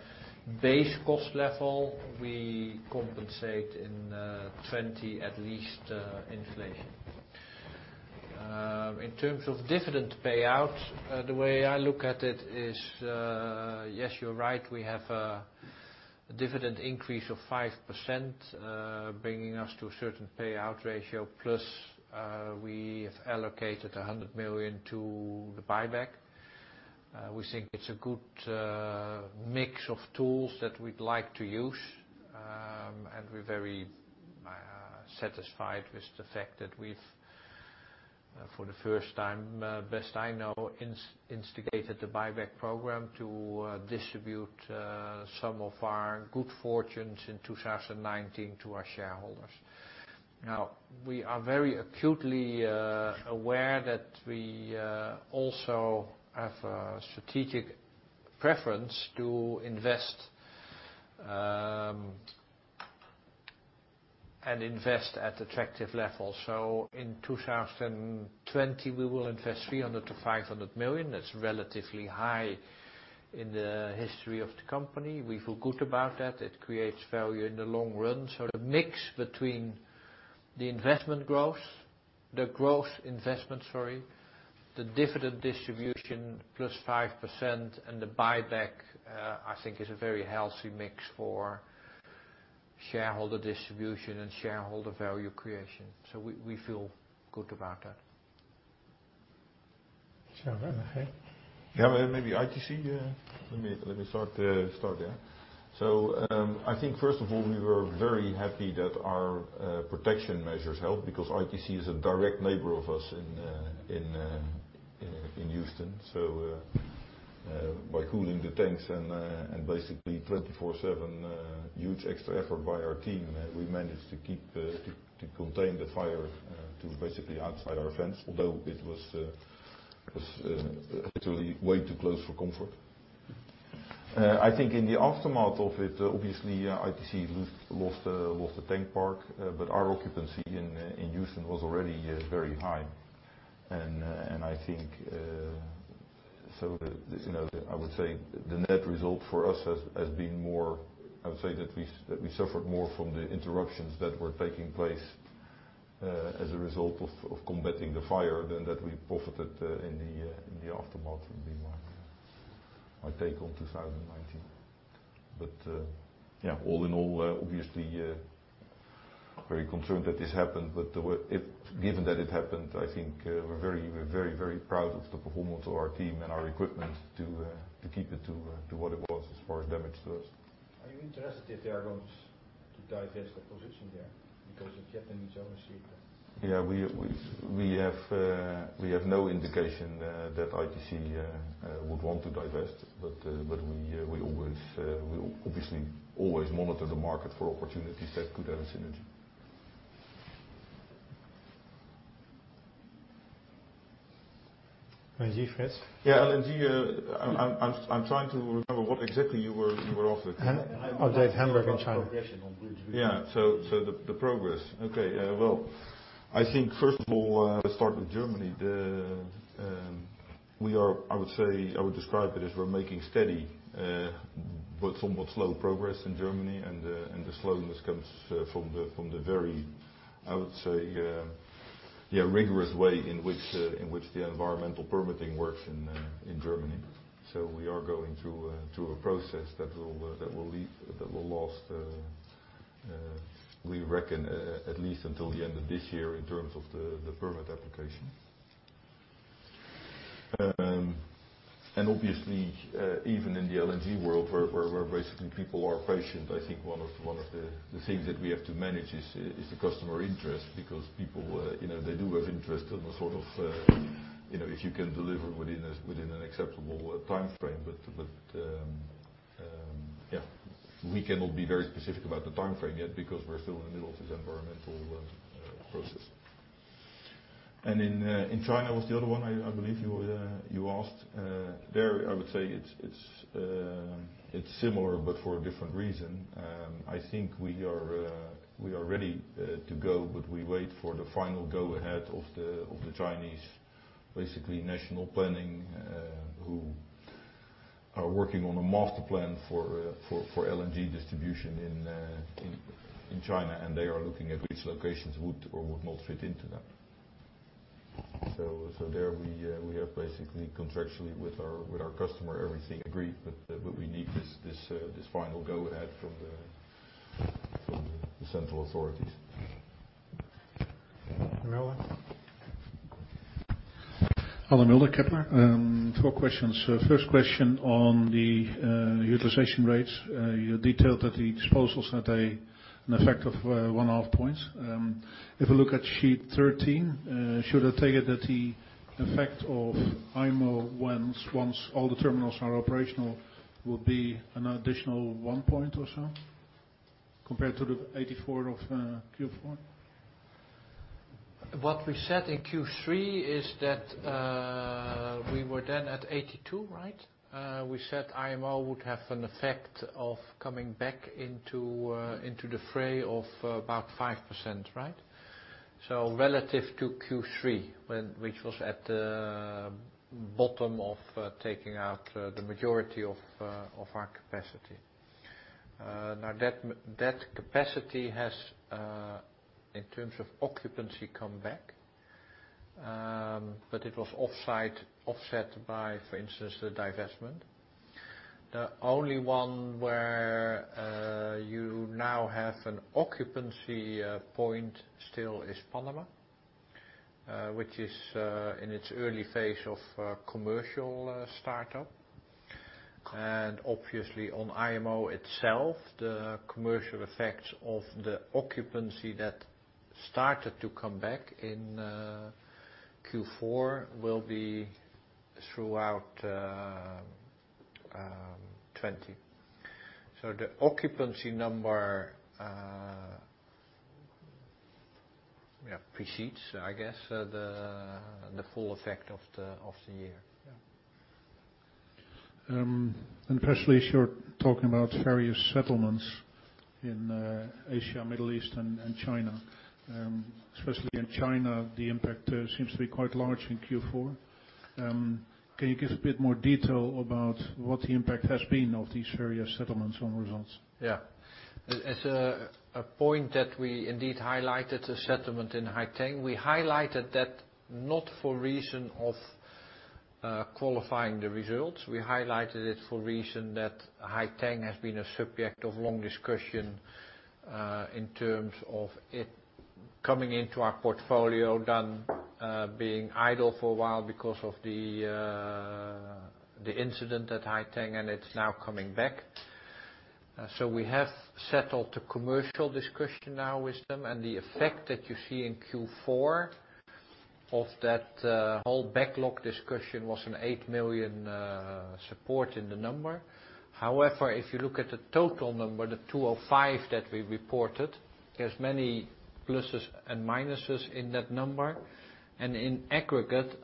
base cost level, we compensate in 2020 at least inflation. In terms of dividend payout, the way I look at it is, yes, you're right, we have a A dividend increase of 5%, bringing us to a certain payout ratio. We have allocated 100 million to the buyback. We think it's a good mix of tools that we'd like to use, and we're very satisfied with the fact that we've, for the first time, best I know, instigated the buyback program to distribute some of our good fortunes in 2019 to our shareholders. We are very acutely aware that we also have a strategic preference to invest at attractive levels. In 2020, we will invest 300 million-500 million. That's relatively high in the history of the company. We feel good about that. It creates value in the long run. The mix between the investment growth, the growth investment, sorry, the dividend distribution plus 5% and the buyback, I think is a very healthy mix for shareholder distribution and shareholder value creation. We feel good about that. Sure. Okay. Yeah, maybe ITC. Let me start there. I think first of all, we were very happy that our protection measures helped because ITC is a direct neighbor of us in Houston. By cooling the tanks and basically 24/7 huge extra effort by our team, we managed to contain the fire to basically outside our fence, although it was literally way too close for comfort. I think in the aftermath of it, obviously, ITC lost the tank farm, but our occupancy in Houston was already very high. I think, I would say the net result for us has been I would say that we suffered more from the interruptions that were taking place, as a result of combating the fire than that we profited in the aftermath would be my take on 2019. All in all, obviously, very concerned that this happened, but given that it happened, I think we're very proud of the performance of our team and our equipment to keep it to what it was as far as damage to us. Are you interested if they are going to divest their position there? Because if they need ownership- Yeah, we have no indication that ITC would want to divest. We obviously always monitor the market for opportunities that could have a synergy. LNG, Frits? Yeah, LNG, I'm trying to remember what exactly you were after? Update Hamburg and China. Yeah. The progress. Okay. I think first of all, let's start with Germany. I would describe it as we're making steady, but somewhat slow progress in Germany, the slowness comes from the very, I would say, rigorous way in which the environmental permitting works in Germany. We are going through a process that will last, we reckon, at least until the end of this year in terms of the permit application. Obviously, even in the LNG world, where basically people are patient, I think one of the things that we have to manage is the customer interest, because people, they do have interest in the sort of, if you can deliver within an acceptable timeframe. We cannot be very specific about the timeframe yet because we're still in the middle of this environmental process. In China was the other one, I believe you asked. There, I would say it's similar, but for a different reason. I think we are ready to go, but we wait for the final go-ahead of the Chinese, basically national planning, who are working on a master plan for LNG distribution in China, and they are looking at which locations would or would not fit into that. There we have basically contractually with our customer, everything agreed, but we need this final go-ahead from the central authorities. Rowan? Andre Mulder, Kepler. Four questions. First question on the utilization rates. You detailed that the disposals had an effect of one and a half points. If you look at sheet 13, should I take it that the effect of IMO once all the terminals are operational, will be an additional one point or so compared to the 84 of Q4? What we said in Q3 is that, we were then at 82% right? We said IMO would have an effect of coming back into the fray of about 5% right? Relative to Q3, which was at the bottom of taking out the majority of our capacity. That capacity has, in terms of occupancy, come back. It was offset by, for instance, the divestment. The only one where you now have an occupancy point still is Panama, which is in its early phase of commercial startup. Obviously on IMO itself, the commercial effects of the occupancy that started to come back in Q4 will be throughout 2020. The occupancy number precedes, I guess, the full effect of the year. Yeah. Firstly, you're talking about various settlements in Asia, Middle East, and China. Especially in China, the impact seems to be quite large in Q4. Can you give a bit more detail about what the impact has been of these various settlements on results? As a point that we indeed highlighted a settlement in Haiteng. We highlighted that not for reason of qualifying the results. We highlighted it for reason that Haiteng has been a subject of long discussion in terms of it coming into our portfolio, then being idle for a while because of the incident at Haiteng, and it's now coming back. We have settled the commercial discussion now with them, and the effect that you see in Q4 of that whole backlog discussion was an 8 million support in the number. However, if you look at the total number, the 205 million that we reported, there's many pluses and minuses in that number. In aggregate,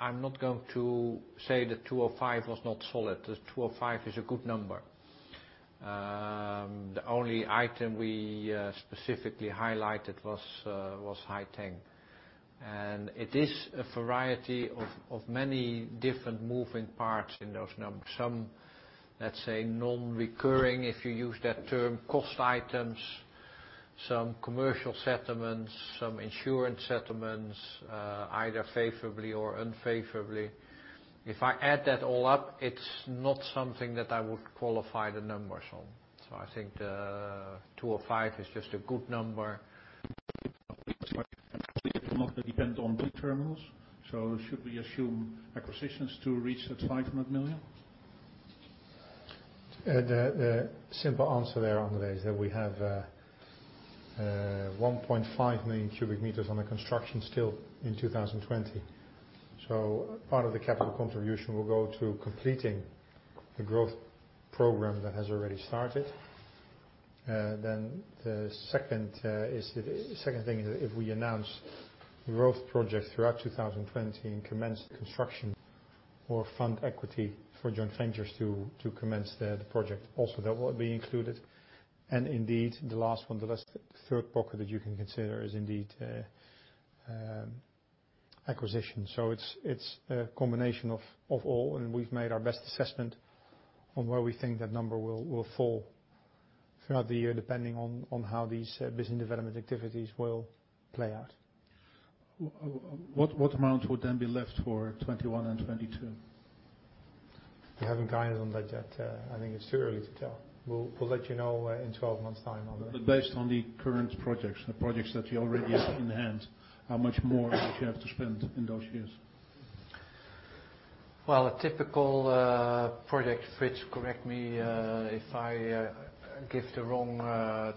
I'm not going to say that 205 million was not solid. The 205 million is a good number. The only item we specifically highlighted was Haiteng. It is a variety of many different moving parts in those numbers. Some, let's say, non-recurring, if you use that term, cost items, some commercial settlements, some insurance settlements, either favorably or unfavorably. If I add that all up, it's not something that I would qualify the numbers on. I think the 205 is just a good number. depend on new terminals. Should we assume acquisitions to reach that 500 million? The simple answer there, Andre, is that we have 1.5 million cubic meters under construction still in 2020. Part of the capital contribution will go to completing the growth program that has already started. The second thing is if we announce growth projects throughout 2020 and commence the construction or fund equity for joint ventures to commence the project, also that will be included. Indeed, the last one, the third bucket that you can consider is indeed acquisition. It's a combination of all, and we've made our best assessment on where we think that number will fall throughout the year, depending on how these business development activities will play out. What amount would then be left for 2021 and 2022? We haven't guided on that yet. I think it's too early to tell. We'll let you know in 12 months' time, Andre. Based on the current projects, the projects that you already have in hand, how much more would you have to spend in those years? Well, a typical project, Frits, correct me if I give the wrong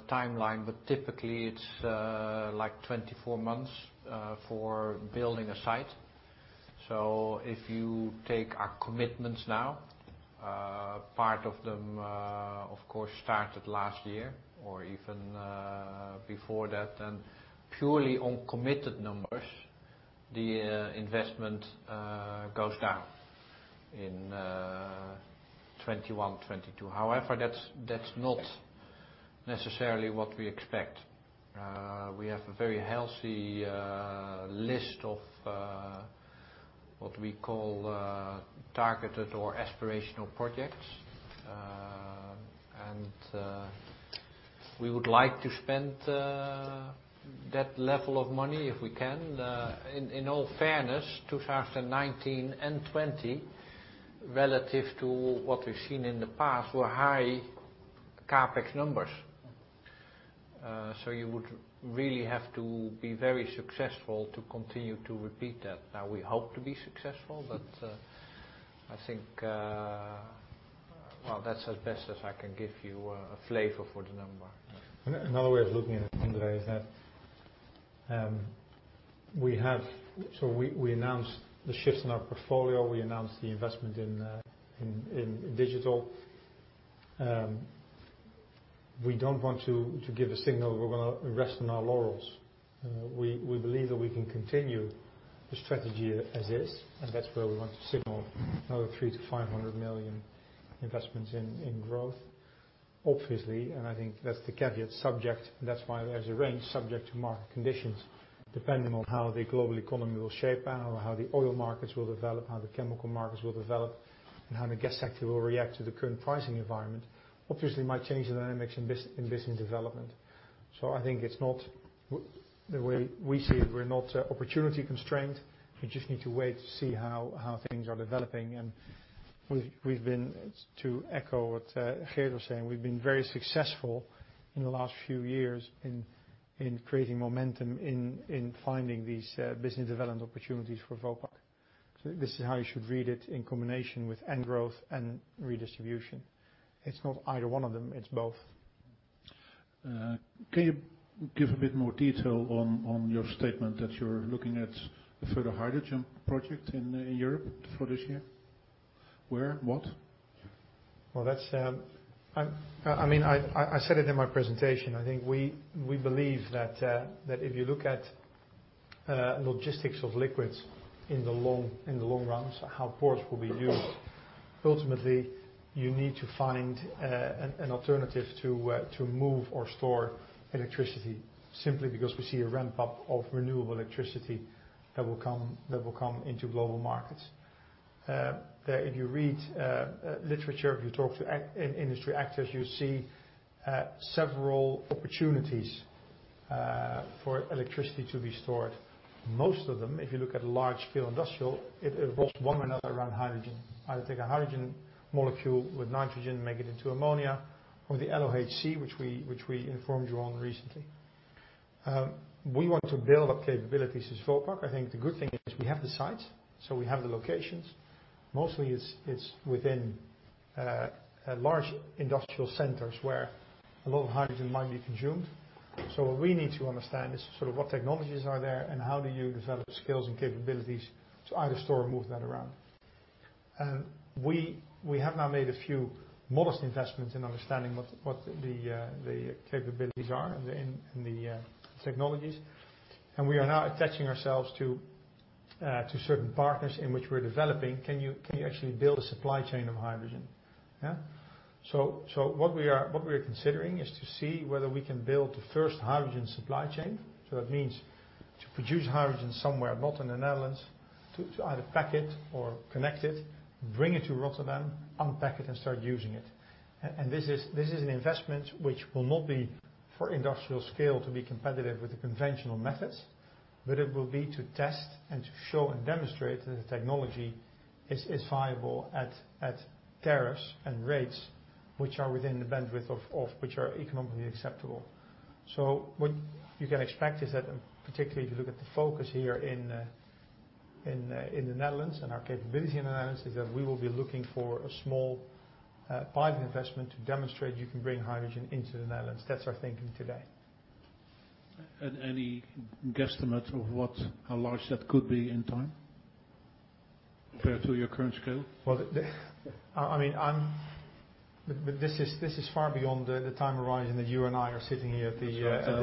timeline, typically it's 24 months for building a site. If you take our commitments now, part of them of course started last year or even before that. Purely on committed numbers, the investment goes down in 2021, 2022. However, that's not necessarily what we expect. We have a very healthy list of what we call targeted or aspirational projects. We would like to spend that level of money if we can. In all fairness, 2019 and 2020, relative to what we've seen in the past, were high CapEx numbers. You would really have to be very successful to continue to repeat that. Now, we hope to be successful, I think that's as best as I can give you a flavor for the number. Another way of looking at it, Andre, is that we announced the shifts in our portfolio. We announced the investment in digital. We don't want to give a signal that we're going to rest on our laurels. We believe that we can continue the strategy as is, that's where we want to signal another 300 million-500 million investments in growth. Obviously, I think that's the caveat, subject, that's why there's a range subject to market conditions, depending on how the global economy will shape, how the oil markets will develop, how the chemical markets will develop, how the gas sector will react to the current pricing environment. Obviously, it might change the dynamics in business development. I think it's not the way we see it, we're not opportunity constrained. We just need to wait to see how things are developing. We've been, to echo what Gerard was saying, we've been very successful in the last few years in creating momentum in finding these business development opportunities for Vopak. This is how you should read it in combination with end growth and redistribution. It's not either one of them, it's both. Can you give a bit more detail on your statement that you're looking at a further hydrogen project in Europe for this year? Where, what? Well, I said it in my presentation. I think we believe that if you look at logistics of liquids in the long run, so how ports will be used, ultimately, you need to find an alternative to move or store electricity, simply because we see a ramp-up of renewable electricity that will come into global markets. If you read literature, if you talk to industry actors, you see several opportunities for electricity to be stored. Most of them, if you look at large scale industrial, it revolves one way or another around hydrogen. How to take a hydrogen molecule with nitrogen, make it into ammonia, or the LOHC, which we informed you on recently. We want to build up capabilities as Vopak. I think the good thing is we have the sites, so we have the locations. Mostly it's within large industrial centers where a lot of hydrogen might be consumed. What we need to understand is sort of what technologies are there and how do you develop skills and capabilities to either store or move that around. We have now made a few modest investments in understanding what the capabilities are and the technologies. We are now attaching ourselves to certain partners in which we're developing, can you actually build a supply chain of hydrogen? What we are considering is to see whether we can build the first hydrogen supply chain. That means to produce hydrogen somewhere, not in the Netherlands, to either pack it or connect it, bring it to Rotterdam, unpack it and start using it. This is an investment which will not be for industrial scale to be competitive with the conventional methods, but it will be to test and to show and demonstrate that the technology is viable at tariffs and rates which are within the bandwidth of which are economically acceptable. What you can expect is that, particularly if you look at the focus here in the Netherlands and our capability in the Netherlands, is that we will be looking for a small pilot investment to demonstrate you can bring hydrogen into the Netherlands. That's our thinking today. Any guesstimate of how large that could be in time compared to your current scale? Well, this is far beyond the time horizon that you and I are sitting here.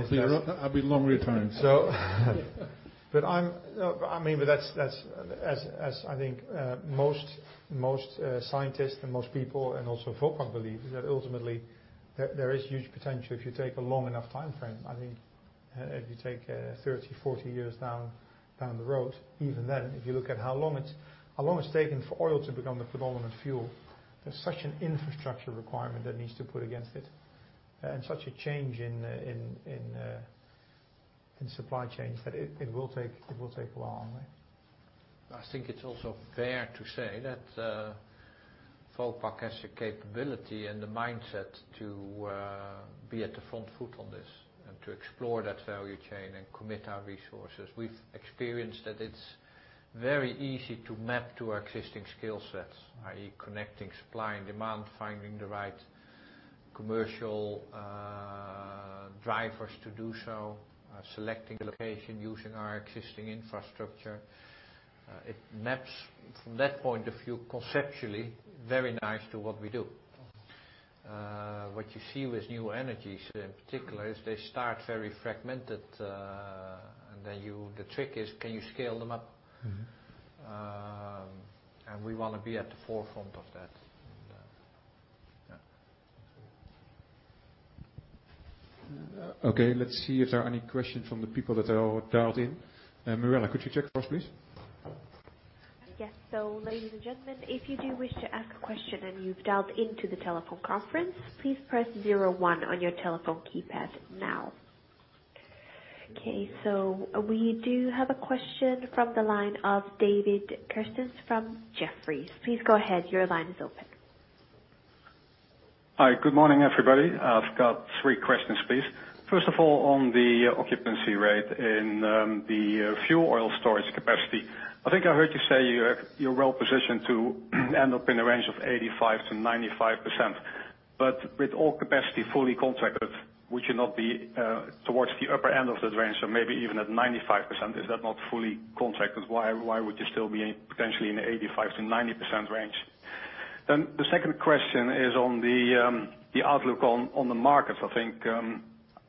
That'll be longer return. As I think most scientists and most people and also Vopak believe, is that ultimately there is huge potential if you take a long enough timeframe. I think if you take 30, 40 years down the road, even then, if you look at how long it's taken for oil to become the predominant fuel, there's such an infrastructure requirement that needs to put against it and such a change in supply chains that it will take a while. I think it's also fair to say that Vopak has the capability and the mindset to be at the front foot on this and to explore that value chain and commit our resources. We've experienced that it's very easy to map to our existing skill sets, i.e., connecting supply and demand, finding the right commercial drivers to do so, selecting a location using our existing infrastructure. It maps from that point of view, conceptually, very nice to what we do. What you see with new energies in particular is they start very fragmented, and then the trick is can you scale them up? We want to be at the forefront of that. Yeah. Okay. Let's see if there are any questions from the people that are dialed in. Mirela, could you check for us, please? Yes. Ladies and gentlemen, if you do wish to ask a question and you've dialed into the telephone conference, please press zero one on your telephone keypad now. Okay, we do have a question from the line of David Kerstens from Jefferies. Please go ahead. Your line is open. Hi. Good morning, everybody. I've got three questions, please. First of all, on the occupancy rate in the fuel oil storage capacity, I think I heard you say you're well positioned to end up in a range of 85%-95%. With all capacity fully contracted, would you not be towards the upper end of that range or maybe even at 95%? Is that not fully contracted? Why would you still be potentially in the 85%-90% range? The second question is on the outlook on the markets. I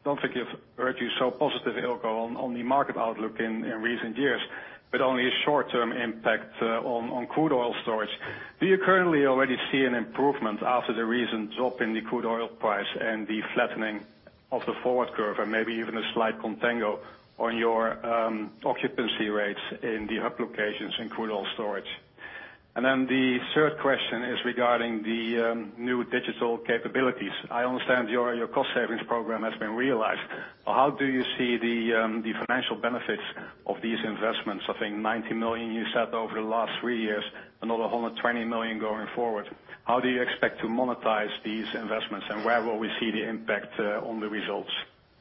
don't think I've heard you so positive, Eelco, on the market outlook in recent years, but only a short-term impact on crude oil storage. Do you currently already see an improvement after the recent drop in the crude oil price and the flattening of the forward curve, and maybe even a slight contango on your occupancy rates in the hub locations in crude oil storage? The third question is regarding the new digital capabilities. I understand your cost savings program has been realized. How do you see the financial benefits of these investments? I think 90 million you said over the last three years, another 120 million going forward. How do you expect to monetize these investments and where will we see the impact on the results?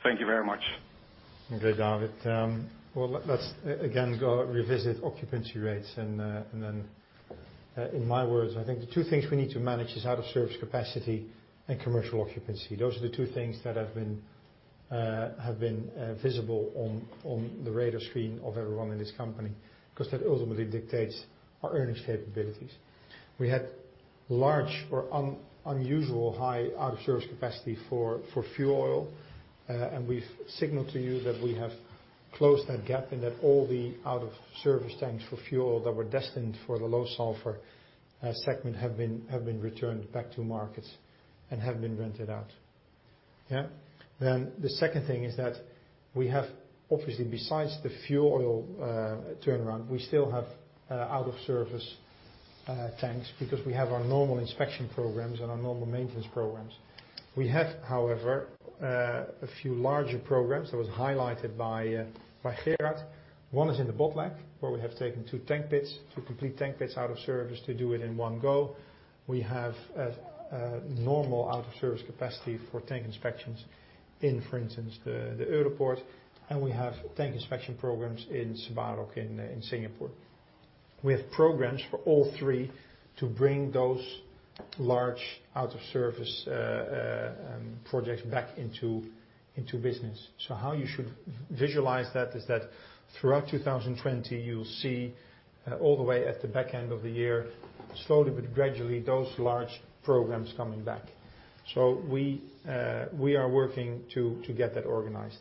Thank you very much. Okay, David. Let's again, go revisit occupancy rates in my words, I think the two things we need to manage is out of service capacity and commercial occupancy. Those are the two things that have been visible on the radar screen of everyone in this company, because that ultimately dictates our earnings capabilities. We had large or unusual high out of service capacity for fuel oil. We've signaled to you that we have closed that gap and that all the out of service tanks for fuel that were destined for the low sulfur segment have been returned back to markets and have been rented out. The second thing is that we have obviously besides the fuel oil turnaround, we still have out of service tanks because we have our normal inspection programs and our normal maintenance programs. We have, however, a few larger programs that was highlighted by Gerard. One is in the Botlek, where we have taken two tank pits, two complete tank pits out of service to do it in one go. We have a normal out of service capacity for tank inspections in, for instance, the Europoort, and we have tank inspection programs in Sebarok in Singapore. We have programs for all three to bring those large out of service projects back into business. How you should visualize that is that throughout 2020, you'll see all the way at the back end of the year, slowly but gradually, those large programs coming back. We are working to get that organized.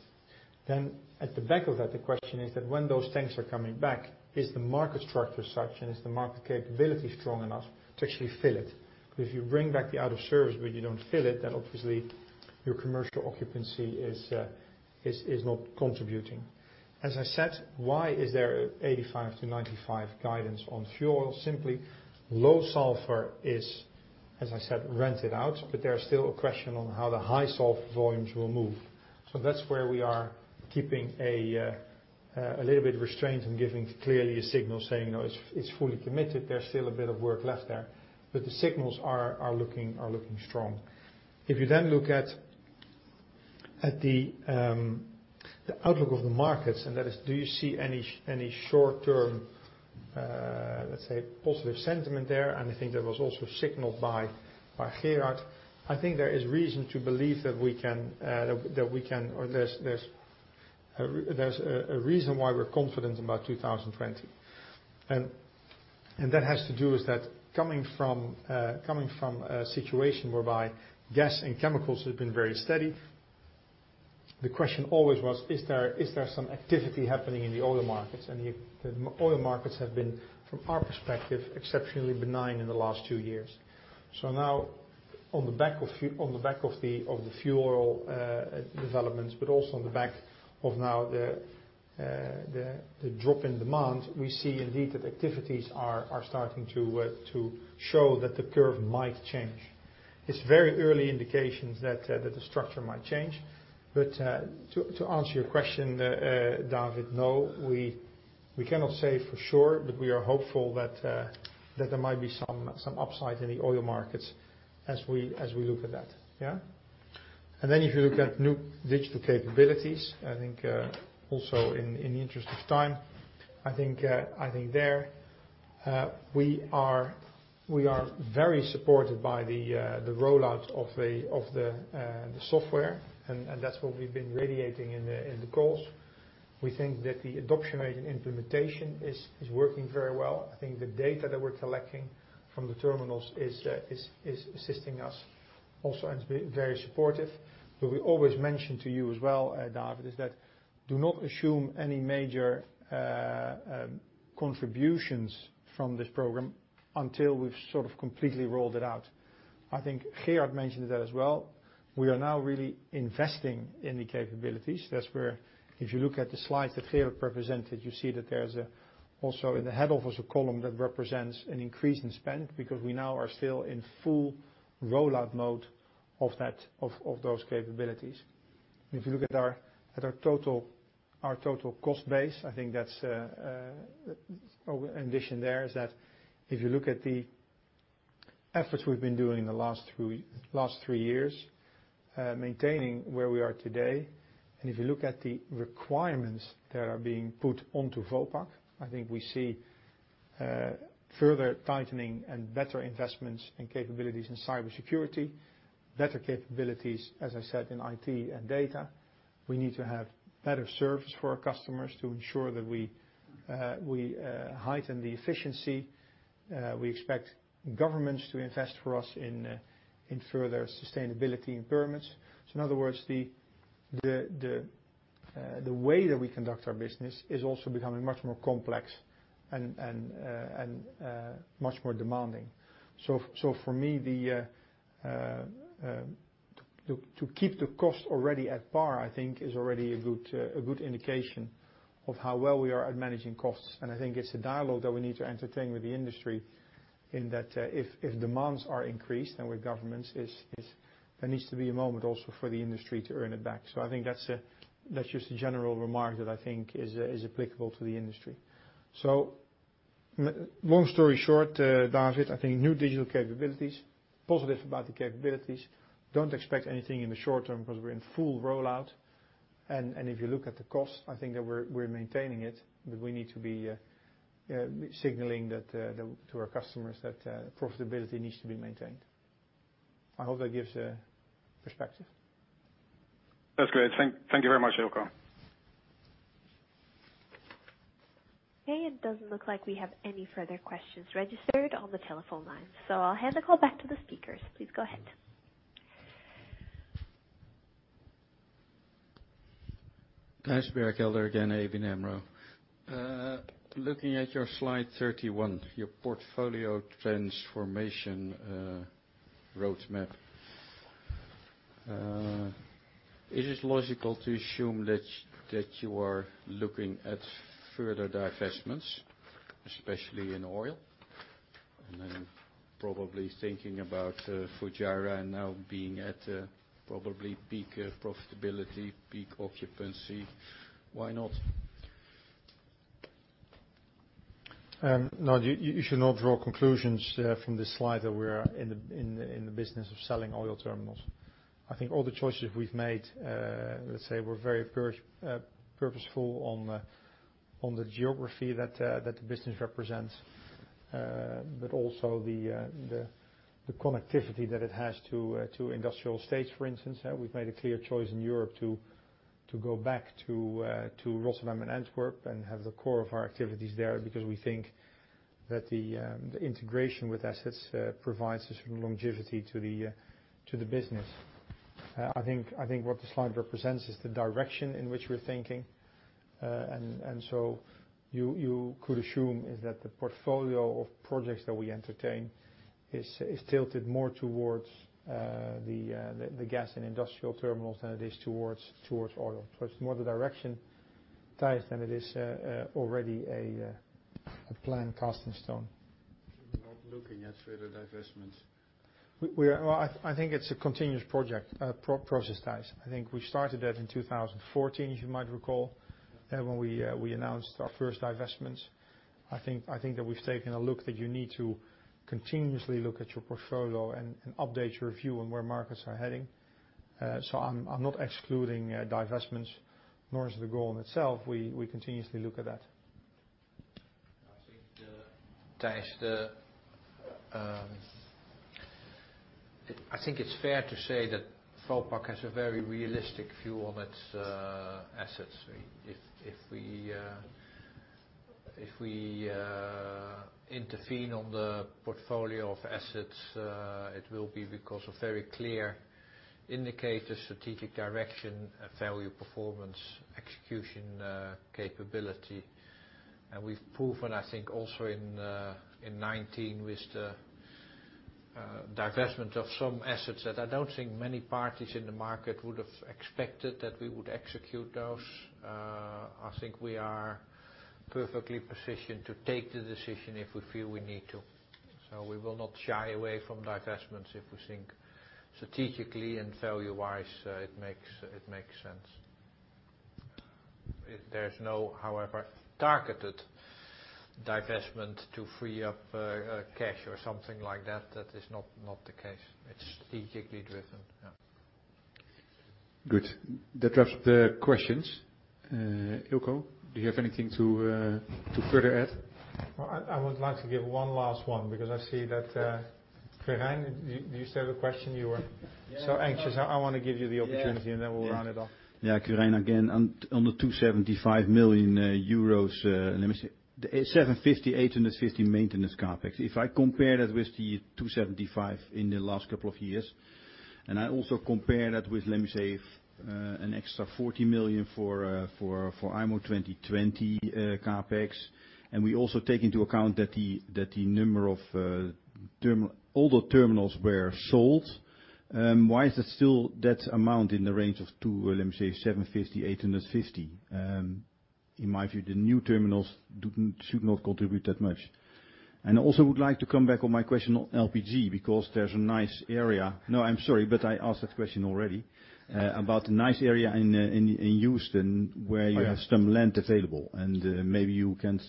At the back of that, the question is that when those tanks are coming back, is the market structure such and is the market capability strong enough to actually fill it? If you bring back the out of service, but you don't fill it, then obviously your commercial occupancy is not contributing. As I said, why is there 85%-95% guidance on fuel? Low sulfur is, as I said, rented out, but there is still a question on how the high sulfur volumes will move. That's where we are keeping a little bit restraint and giving clearly a signal saying, "No, it's fully committed." There's still a bit of work left there, the signals are looking strong. Look at the outlook of the markets, and that is, do you see any short term, let's say, positive sentiment there? I think that was also signaled by Gerard. I think there is reason to believe that we can or there's a reason why we're confident about 2020. That has to do is that coming from a situation whereby gas and chemicals have been very steady. The question always was, is there some activity happening in the oil markets? The oil markets have been, from our perspective, exceptionally benign in the last two years. Now on the back of the fuel oil developments, but also on the back of now the drop in demand, we see indeed that activities are starting to show that the curve might change. It's very early indications that the structure might change. To answer your question, David, no. We cannot say for sure, but we are hopeful that there might be some upside in the oil markets as we look at that. If you look at new digital capabilities, I think also in the interest of time, I think there we are very supported by the rollout of the software, and that's what we've been radiating in the calls. We think that the adoption rate and implementation is working very well. I think the data that we're collecting from the terminals is assisting us also and is very supportive. We always mention to you as well, David, is that do not assume any major contributions from this program until we've sort of completely rolled it out. I think Gerard mentioned that as well. We are now really investing in the capabilities. That's where if you look at the slides that Gerard represented, you see that there's also in the head office a column that represents an increase in spend because we now are still in full rollout mode of those capabilities. If you look at our total cost base, I think that's our ambition there is that if you look at the efforts we've been doing in the last three years maintaining where we are today, and if you look at the requirements that are being put onto Vopak, I think we see further tightening and better investments and capabilities in cybersecurity, better capabilities, as I said, in IT and data. We need to have better service for our customers to ensure that we heighten the efficiency. We expect governments to invest for us in further sustainability improvements. In other words, the way that we conduct our business is also becoming much more complex and much more demanding. For me, to keep the cost already at par, I think is already a good indication of how well we are at managing costs. I think it's a dialogue that we need to entertain with the industry, in that if demands are increased, then with governments, there needs to be a moment also for the industry to earn it back. I think that's just a general remark that I think is applicable to the industry. Long story short, David, I think new digital capabilities, positive about the capabilities, don't expect anything in the short term because we're in full rollout. If you look at the cost, I think that we're maintaining it, but we need to be signaling to our customers that profitability needs to be maintained. I hope that gives a perspective. That's great. Thank you very much, Eelco. Okay, it doesn't look like we have any further questions registered on the telephone line, so I'll hand the call back to the speakers. Please go ahead. Thijs Berkelder again, ABN AMRO. Looking at your slide 31, your portfolio transformation roadmap. Is it logical to assume that you are looking at further divestments, especially in oil? Probably thinking about Fujairah now being at probably peak profitability, peak occupancy. Why not? No, you should not draw conclusions from this slide that we're in the business of selling oil terminals. I think all the choices we've made, let's say, were very purposeful on the geography that the business represents, but also the connectivity that it has to industrial estates, for instance. We've made a clear choice in Europe to go back to Rotterdam and Antwerp and have the core of our activities there because we think that the integration with assets provides a sort of longevity to the business. I think what the slide represents is the direction in which we're thinking. You could assume is that the portfolio of projects that we entertain is tilted more towards the gas and industrial terminals than it is towards oil. It's more the direction, Thijs, than it is already a plan cast in stone. You're not looking at further divestments? I think it's a continuous project, process, Thijs. I think we started that in 2014, as you might recall, when we announced our first divestments. I think that we've taken a look that you need to continuously look at your portfolio and update your view on where markets are heading. I'm not excluding divestments, nor is the goal in itself. We continuously look at that. I think, Thijs, I think it's fair to say that Vopak has a very realistic view on its assets. If we intervene on the portfolio of assets, it will be because of very clear indicators, strategic direction, value performance, execution capability. We've proven, I think also in 2019 with the divestment of some assets that I don't think many parties in the market would have expected that we would execute those. I think we are perfectly positioned to take the decision if we feel we need to. We will not shy away from divestments if we think strategically and value-wise it makes sense. There's no, however, targeted divestment to free up cash or something like that. That is not the case. It's strategically driven. Yeah. Good. That wraps the questions. Eelco, do you have anything to further add? I would like to give one last one because I see that Quirijn, do you still have a question? You were so anxious. I want to give you the opportunity, and then we'll run it off. Quirijn again. On the 275 million euros, 750 million-850 million maintenance CapEx. If I compare that with the 275 million in the last couple of years, I also compare that with an extra 40 million for IMO 2020 CapEx, and we also take into account that the number of older terminals were sold, why is that still that amount in the range of 750 million-850 million? In my view, the new terminals should not contribute that much. Also would like to come back on my question on LPG because there's a nice area. I asked that question already about the nice area in Houston where you have some land available and maybe you can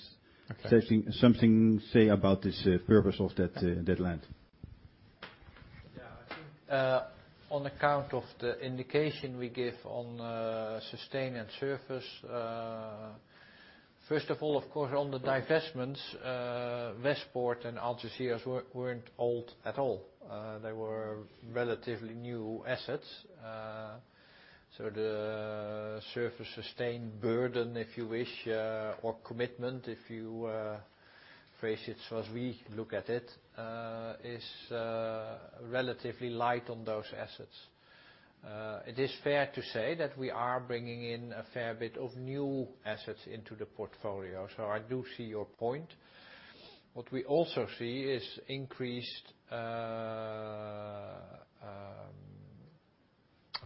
say something about this purpose of that land. Yeah. I think on account of the indication we give on sustain and service. First of all, of course, on the divestments, Westpoort and Algeciras weren't old at all. They were relatively new assets. The service sustain burden, if you wish, or commitment, if you phrase it as we look at it, is relatively light on those assets. It is fair to say that we are bringing in a fair bit of new assets into the portfolio, so I do see your point. What we also see is increased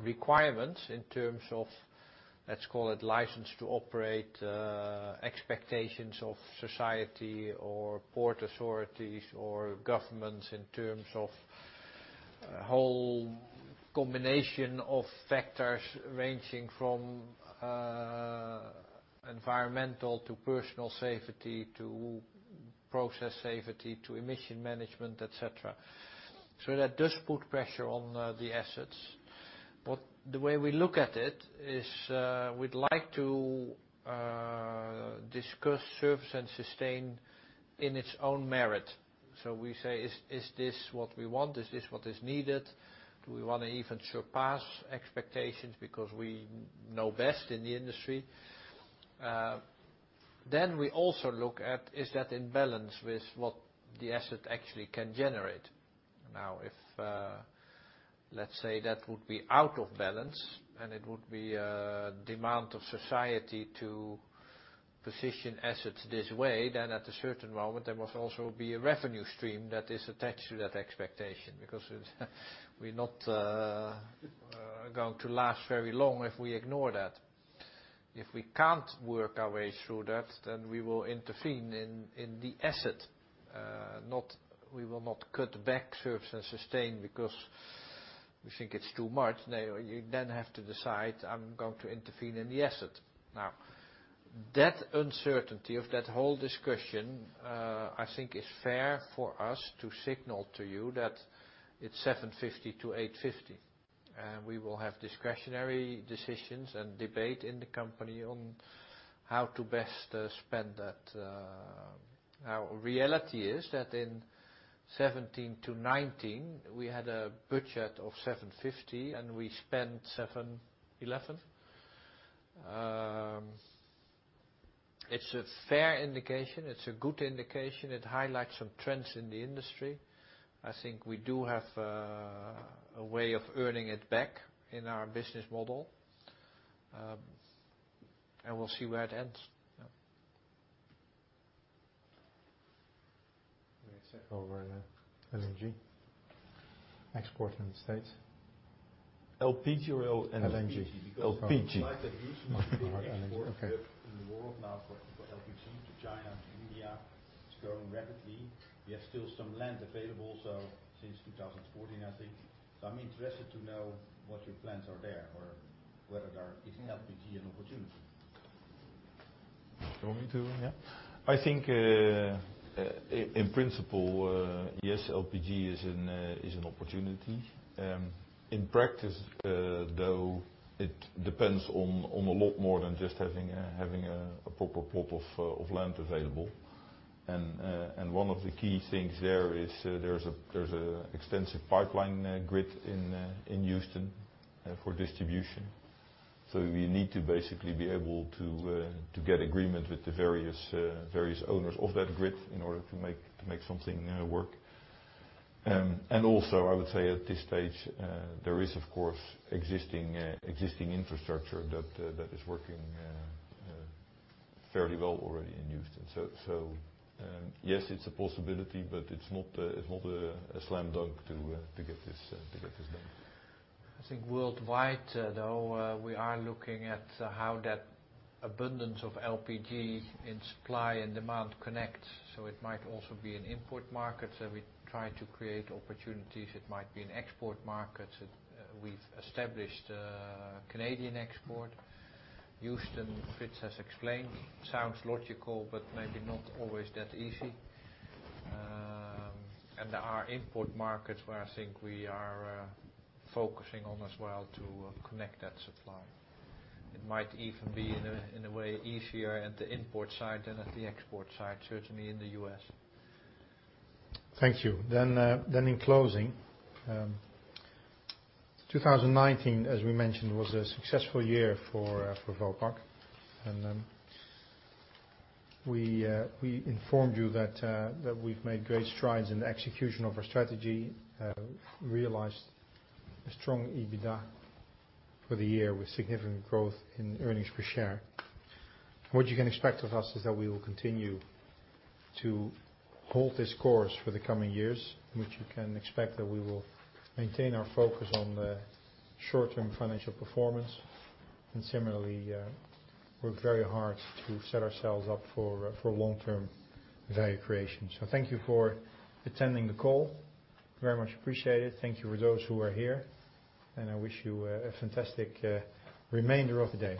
requirements in terms of, let's call it license to operate, expectations of society or port authorities or governments in terms of a whole combination of factors ranging from environmental to personal safety, to process safety, to emission management, et cetera. That does put pressure on the assets. The way we look at it is, we'd like to discuss service and sustain in its own merit. We say, "Is this what we want? Is this what is needed? Do we want to even surpass expectations because we know best in the industry?" We also look at, is that in balance with what the asset actually can generate? If let's say that would be out of balance, and it would be a demand of society to position assets this way, then at a certain moment, there must also be a revenue stream that is attached to that expectation, because we're not going to last very long if we ignore that. If we can't work our way through that, then we will intervene in the asset. We will not cut back service and sustain because we think it's too much. You then have to decide I'm going to intervene in the asset. That uncertainty of that whole discussion, I think is fair for us to signal to you that it's 750-850. We will have discretionary decisions and debate in the company on how to best spend that. Reality is that in 2017 to 2019, we had a budget of 750, and we spent 711. It's a fair indication. It's a good indication. It highlights some trends in the industry. I think we do have a way of earning it back in our business model. We'll see where it ends. Yeah. Let me take over LNG export in the U.S. LPG or LNG? LNG. LPG. Okay. In the world now for LPG to China, to India, it's growing rapidly. We have still some land available since 2014, I think. I'm interested to know what your plans are there, or whether is LPG an opportunity? You want me to? Yeah. I think, in principle, yes, LPG is an opportunity. In practice, though, it depends on a lot more than just having a proper plot of land available. One of the key things there is, there's an extensive pipeline grid in Houston for distribution. We need to basically be able to get agreement with the various owners of that grid in order to make something work. Also, I would say at this stage, there is, of course, existing infrastructure that is working fairly well already in Houston. Yes, it's a possibility, but it's not a slam dunk to get this done. I think worldwide though, we are looking at how that abundance of LPG in supply and demand connects. It might also be an import market. We try to create opportunities. It might be an export market. We've established Canadian export. Houston fits, as explained. Sounds logical, but maybe not always that easy. There are import markets where I think we are focusing on as well to connect that supply. It might even be in a way easier at the import side than at the export side, certainly in the U.S. Thank you. In closing, 2019, as we mentioned, was a successful year for Vopak, and we informed you that we've made great strides in the execution of our strategy, realized a strong EBITDA for the year with significant growth in earnings per share. What you can expect of us is that we will continue to hold this course for the coming years, in which you can expect that we will maintain our focus on the short-term financial performance, and similarly, work very hard to set ourselves up for long-term value creation. Thank you for attending the call. Very much appreciate it. Thank you for those who are here, and I wish you a fantastic remainder of the day.